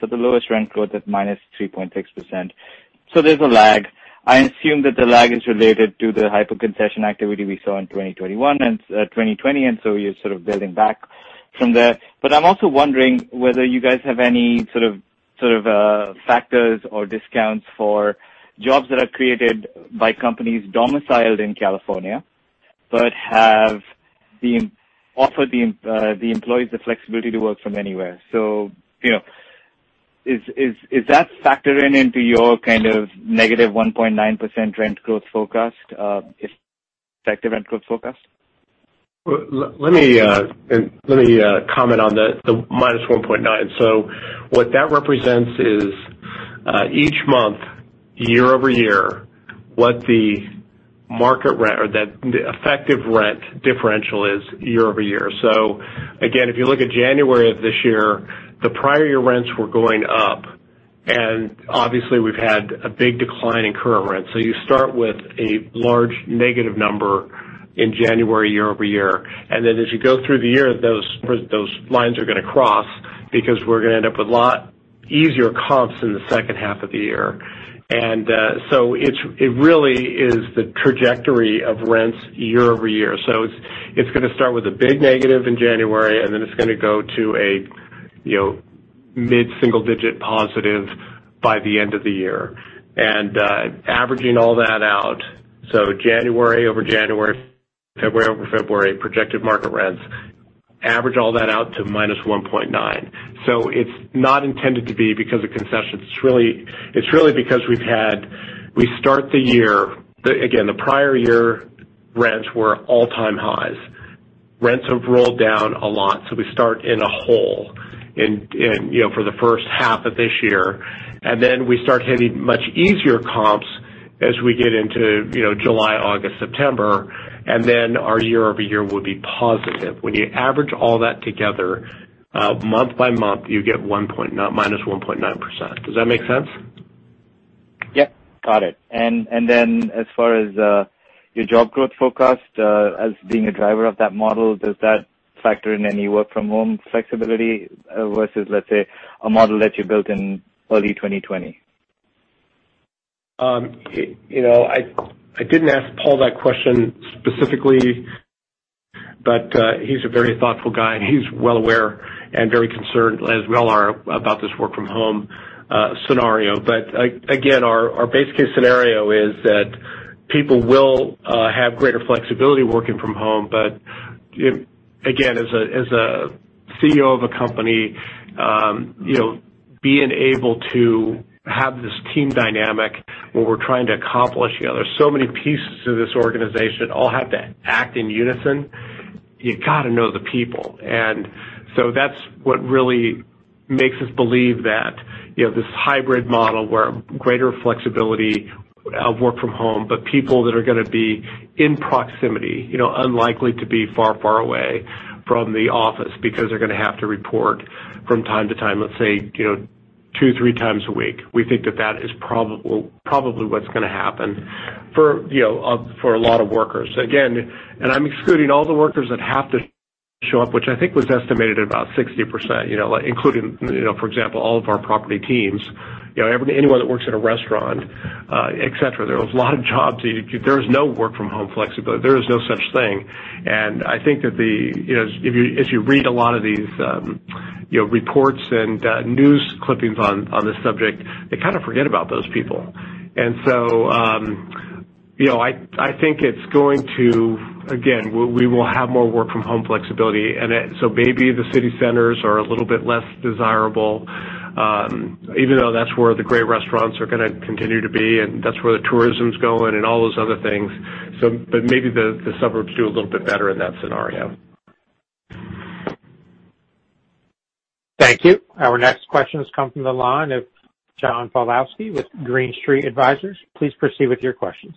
but the lowest rent growth at -3.6%. There's a lag. I assume that the lag is related to the hyper-concession activity we saw in 2021 and 2020, and so you're sort of building back from there. I'm also wondering whether you guys have any sort of factors or discounts for jobs that are created by companies domiciled in California, but have offered the employees the flexibility to work from anywhere. Is that factored in into your kind of -1.9% rent growth forecast, effective rent growth forecast? Let me comment on the -1.9. What that represents is each month, year-over-year, what the market rent or the effective rent differential is year-over-year. Again, if you look at January of this year, the prior year rents were going up, and obviously, we've had a big decline in current rents. It really is the trajectory of rents year-over-year. It's going to start with a big negative in January, and then it's going to go to a mid-single digit positive by the end of the year. Averaging all that out, January over January, February over February, projected market rents, average all that out to -1.9%. It's not intended to be because of concessions. It's really because we start the year, again, the prior year rents were all-time highs. Rents have rolled down a lot. We start in a hole for the first half of this year, we start hitting much easier comps as we get into July, August, September, our year-over-year will be positive. When you average all that together month-by-month, you get -1.9%. Does that make sense? Yep, got it. As far as your job growth forecast as being a driver of that model, does that factor in any work from home flexibility versus, let's say, a model that you built in early 2020? I didn't ask Paul that question specifically, but he's a very thoughtful guy, and he's well aware and very concerned, as we all are, about this work from home scenario. Again, our base case scenario is that people will have greater flexibility working from home. Again, as a CEO of a company, being able to have this team dynamic where we're trying to accomplish, there's so many pieces to this organization all have to act in unison. You got to know the people. That's what really makes us believe that this hybrid model where greater flexibility of work from home, but people that are going to be in proximity, unlikely to be far, far away from the office because they're going to have to report from time to time, let's say, two, three times a week. We think that that is probably what's going to happen for a lot of workers. Again, I'm excluding all the workers that have to show up, which I think was estimated at about 60%, including, for example, all of our property teams. Anyone that works at a restaurant, et cetera. There's a lot of jobs, there is no work from home flexibility. There is no such thing. I think that if you read a lot of these reports and news clippings on this subject, they kind of forget about those people. I think it's going to, again, we will have more work from home flexibility. Maybe the city centers are a little bit less desirable, even though that's where the great restaurants are going to continue to be, and that's where the tourism's going and all those other things. Maybe the suburbs do a little bit better in that scenario. Thank you. Our next question has come from the line of John Pawlowski with Green Street Advisors. Please proceed with your questions.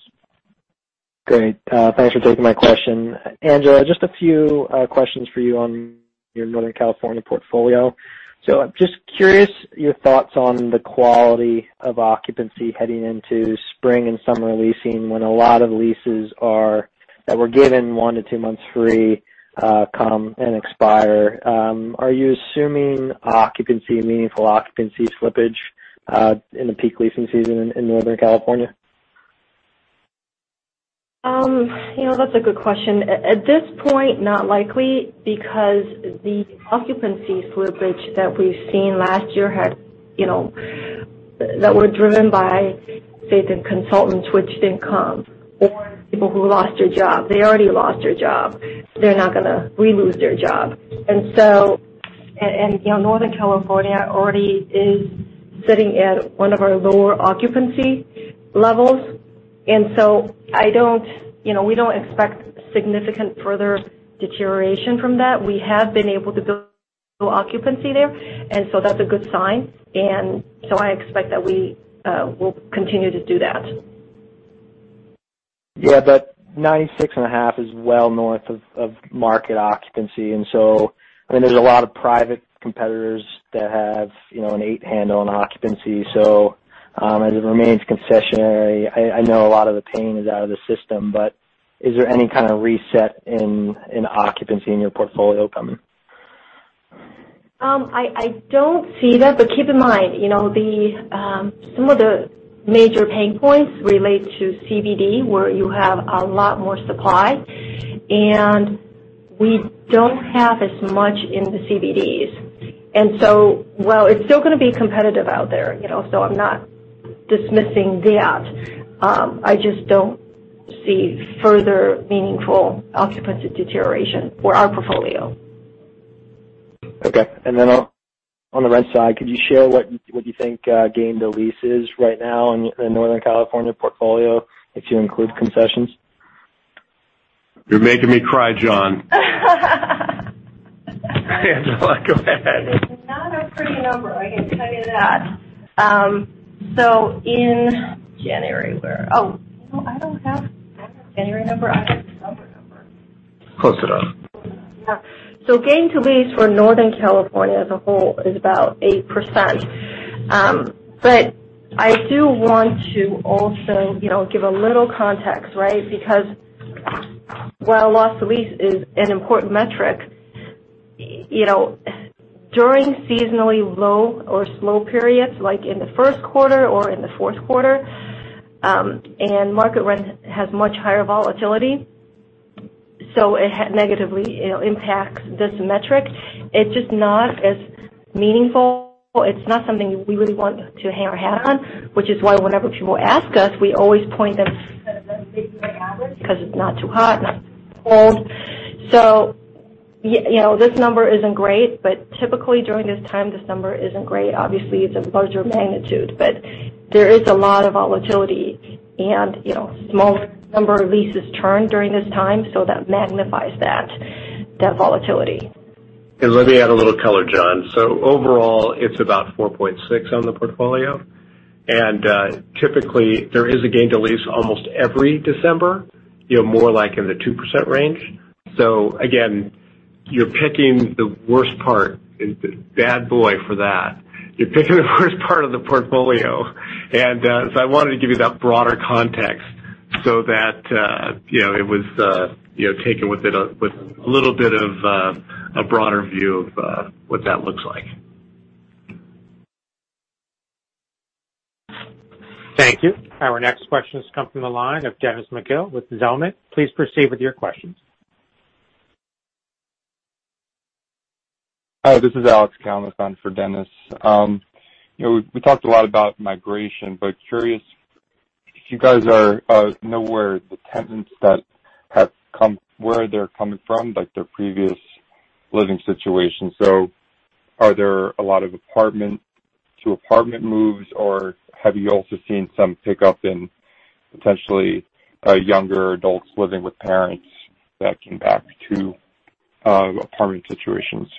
Great. Thanks for taking my question. Angela, just a few questions for you on your Northern California portfolio. I'm just curious your thoughts on the quality of occupancy heading into spring and summer leasing, when a lot of leases that were given one to two months free come and expire. Are you assuming meaningful occupancy slippage in the peak leasing season in Northern California? That's a good question. At this point, not likely because the occupancy slippage that we've seen last year that were driven by, say, some consultants which didn't come, or people who lost their job. They already lost their job. They're not going to re-lose their job. Northern California already is sitting at one of our lower occupancy levels. We don't expect significant further deterioration from that. We have been able to build occupancy there, and so that's a good sign. I expect that we will continue to do that. Yeah, 96.5 is well north of market occupancy, there's a lot of private competitors that have an eight handle on occupancy. As it remains concessionary, I know a lot of the pain is out of the system, is there any kind of reset in occupancy in your portfolio coming? I don't see that, but keep in mind some of the major pain points relate to CBD, where you have a lot more supply, and we don't have as much in the CBDs. While it's still going to be competitive out there, so I'm not dismissing that. I just don't see further meaningful occupancy deterioration for our portfolio. Okay. On the rent side, could you share what you think gain to lease is right now in Northern California portfolio, if you include concessions? You're making me cry, John. Angela, go ahead. It is not a pretty number, I can tell you that. In January, oh, I don't have the January number. I have December number. Close enough. Yeah. Gain to lease for Northern California as a whole is about 8%. I do want to also give a little context, right? Because while loss to lease is an important metric, during seasonally low or slow periods like in the first quarter or in the fourth quarter, and market rent has much higher volatility, so it negatively impacts this metric. It's just not as meaningful. It's not something we really want to hang our hat on, which is why whenever people ask us, we always point them to kind of the full year average, because it's not too hot, not too cold. This number isn't great, but typically during this time, December isn't great. Obviously, it's a larger magnitude, but there is a lot of volatility and small number of leases turn during this time, so that magnifies that volatility. Let me add a little color, John. Overall, it's about 4.6% on the portfolio. Typically, there is a gain to lease almost every December, more like in the 2% range. Again, you're picking the worst part, the bad boy for that. You're picking the worst part of the portfolio. I wanted to give you that broader context so that it was taken with a little bit of a broader view of what that looks like. Thank you. Our next questions come from the line of Dennis McGill with Zelman. Please proceed with your questions. Hi, this is Alex Kalmus on for Dennis. We talked a lot about migration, curious if you guys know where the tenants that have come, where they're coming from, like their previous living situation. Are there a lot of apartment to apartment moves, or have you also seen some pickup in potentially younger adults living with parents that came back to apartment situations?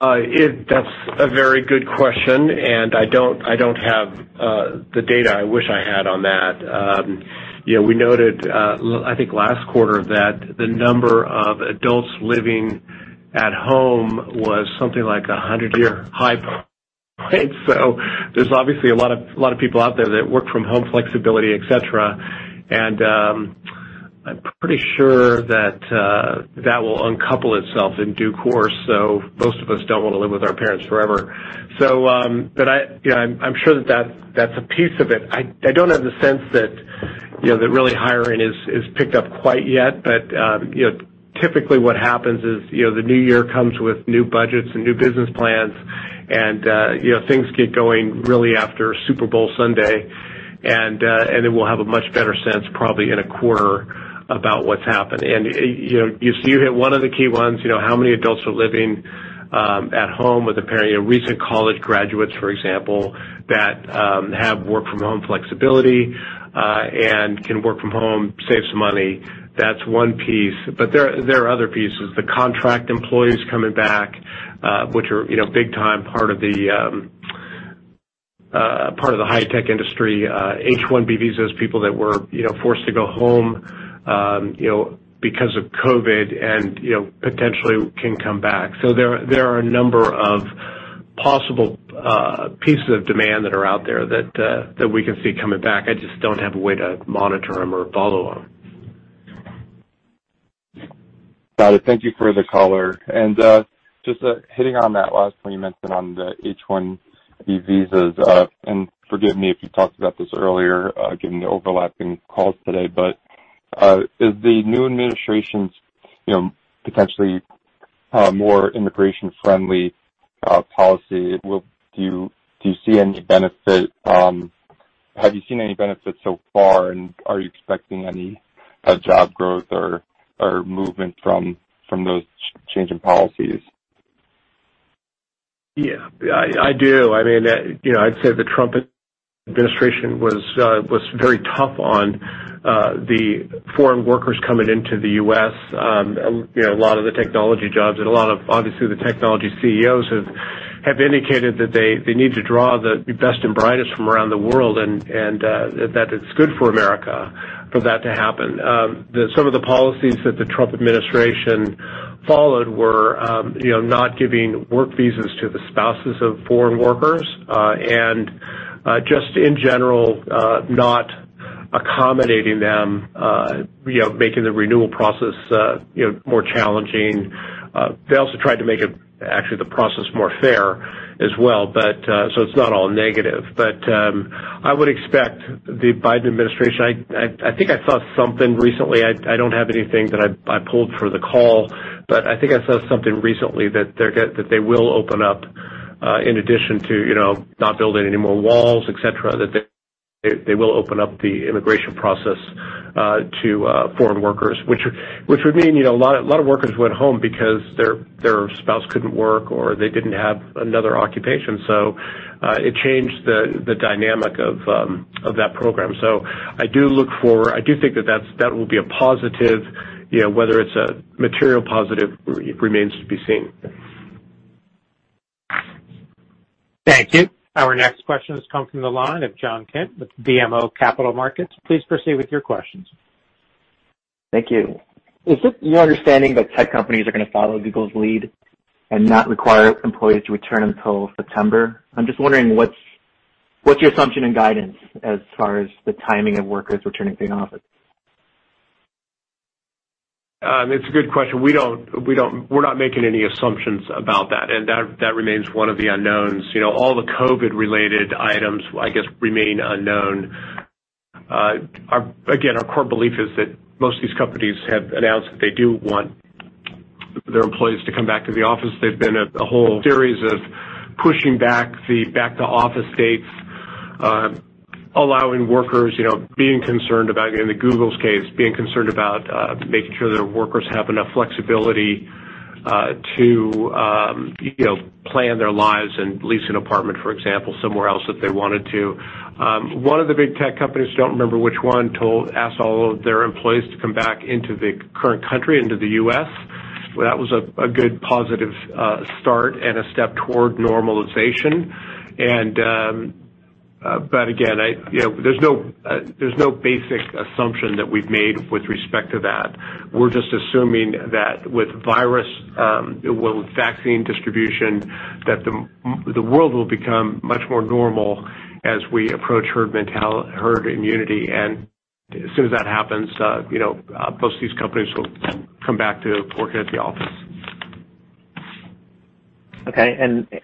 That's a very good question, and I don't have the data I wish I had on that. We noted, I think, last quarter that the number of adults living at home was something like 100-year high point. There's obviously a lot of people out there that work from home, flexibility, et cetera. I'm pretty sure that will uncouple itself in due course. Most of us don't want to live with our parents forever. I'm sure that that's a piece of it. I don't have the sense that really hiring has picked up quite yet. Typically what happens is the new year comes with new budgets and new business plans and things get going really after Super Bowl Sunday. We'll have a much better sense probably in a quarter about what's happened. You hit one of the key ones, how many adults are living at home with a parent. Recent college graduates, for example, that have work from home flexibility, and can work from home, save some money. That's one piece. There are other pieces. The contract employees coming back, which are big time part of the high-tech industry. H-1B visas, people that were forced to go home because of COVID and potentially can come back. There are a number of possible pieces of demand that are out there that we can see coming back. I just don't have a way to monitor them or follow them. Got it. Thank you for the color. Just hitting on that last point you mentioned on the H-1B visas, and forgive me if you talked about this earlier, given the overlapping calls today, is the new administration's potentially more immigration-friendly policy, do you see any benefit? Have you seen any benefits so far, and are you expecting any job growth or movement from those changing policies? Yeah, I do. I'd say the Trump administration was very tough on the foreign workers coming into the U.S. A lot of the technology jobs and a lot of, obviously, the technology CEOs have indicated that they need to draw the best and brightest from around the world, and that it's good for America for that to happen. Some of the policies that the Trump administration followed were not giving work visas to the spouses of foreign workers, and just in general, not accommodating them, making the renewal process more challenging. They also tried to make, actually, the process more fair as well. It's not all negative. I would expect the Biden administration. I think I saw something recently. I don't have anything that I pulled for the call, I think I saw something recently that they will open up, in addition to not building any more walls, et cetera, They will open up the immigration process to foreign workers, which would mean a lot of workers went home because their spouse couldn't work, or they didn't have another occupation. It changed the dynamic of that program. I do think that will be a positive. Whether it's a material positive remains to be seen. Thank you. Our next question comes from the line of John Kim with BMO Capital Markets. Please proceed with your questions. Thank you. Is it your understanding that tech companies are going to follow Google's lead and not require employees to return until September? I'm just wondering what's your assumption and guidance as far as the timing of workers returning to the office? It's a good question. We're not making any assumptions about that, and that remains one of the unknowns. All the COVID related items, I guess, remain unknown. Again, our core belief is that most of these companies have announced that they do want their employees to come back to the office. There've been a whole series of pushing back the back-to-office dates, allowing workers, in the Google's case, being concerned about making sure their workers have enough flexibility to plan their lives and lease an apartment, for example, somewhere else if they wanted to. One of the big tech companies, don't remember which one, asked all of their employees to come back into the current country, into the U.S. That was a good positive start and a step toward normalization. Again, there's no basic assumption that we've made with respect to that. We're just assuming that with virus, well, with vaccine distribution, that the world will become much more normal as we approach herd immunity. As soon as that happens, most of these companies will come back to working at the office. Okay.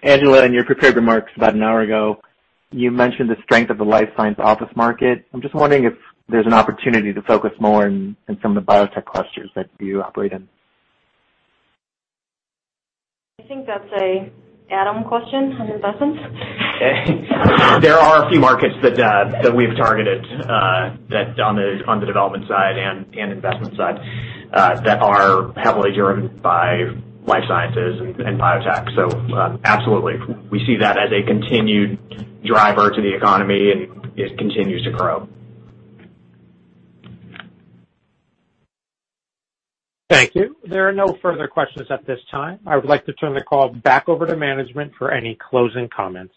Angela, in your prepared remarks about an hour ago, you mentioned the strength of the life science office market. I'm just wondering if there's an opportunity to focus more on some of the biotech clusters that you operate in. I think that's a Adam question on investments. Okay. There are a few markets that we've targeted on the development side and investment side that are heavily driven by life sciences and biotech. Absolutely. We see that as a continued driver to the economy, and it continues to grow. Thank you. There are no further questions at this time. I would like to turn the call back over to management for any closing comments.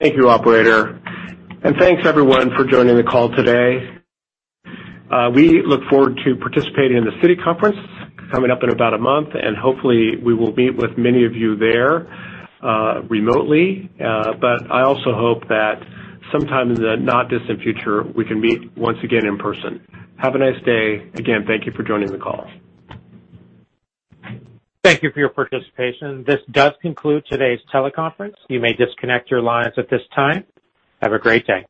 Thank you, operator. Thanks, everyone, for joining the call today. We look forward to participating in the city conference coming up in about a month. Hopefully, we will meet with many of you there remotely. I also hope that sometime in the not distant future, we can meet once again in person. Have a nice day. Again, thank you for joining the call. Thank you for your participation. This does conclude today's teleconference. You may disconnect your lines at this time. Have a great day.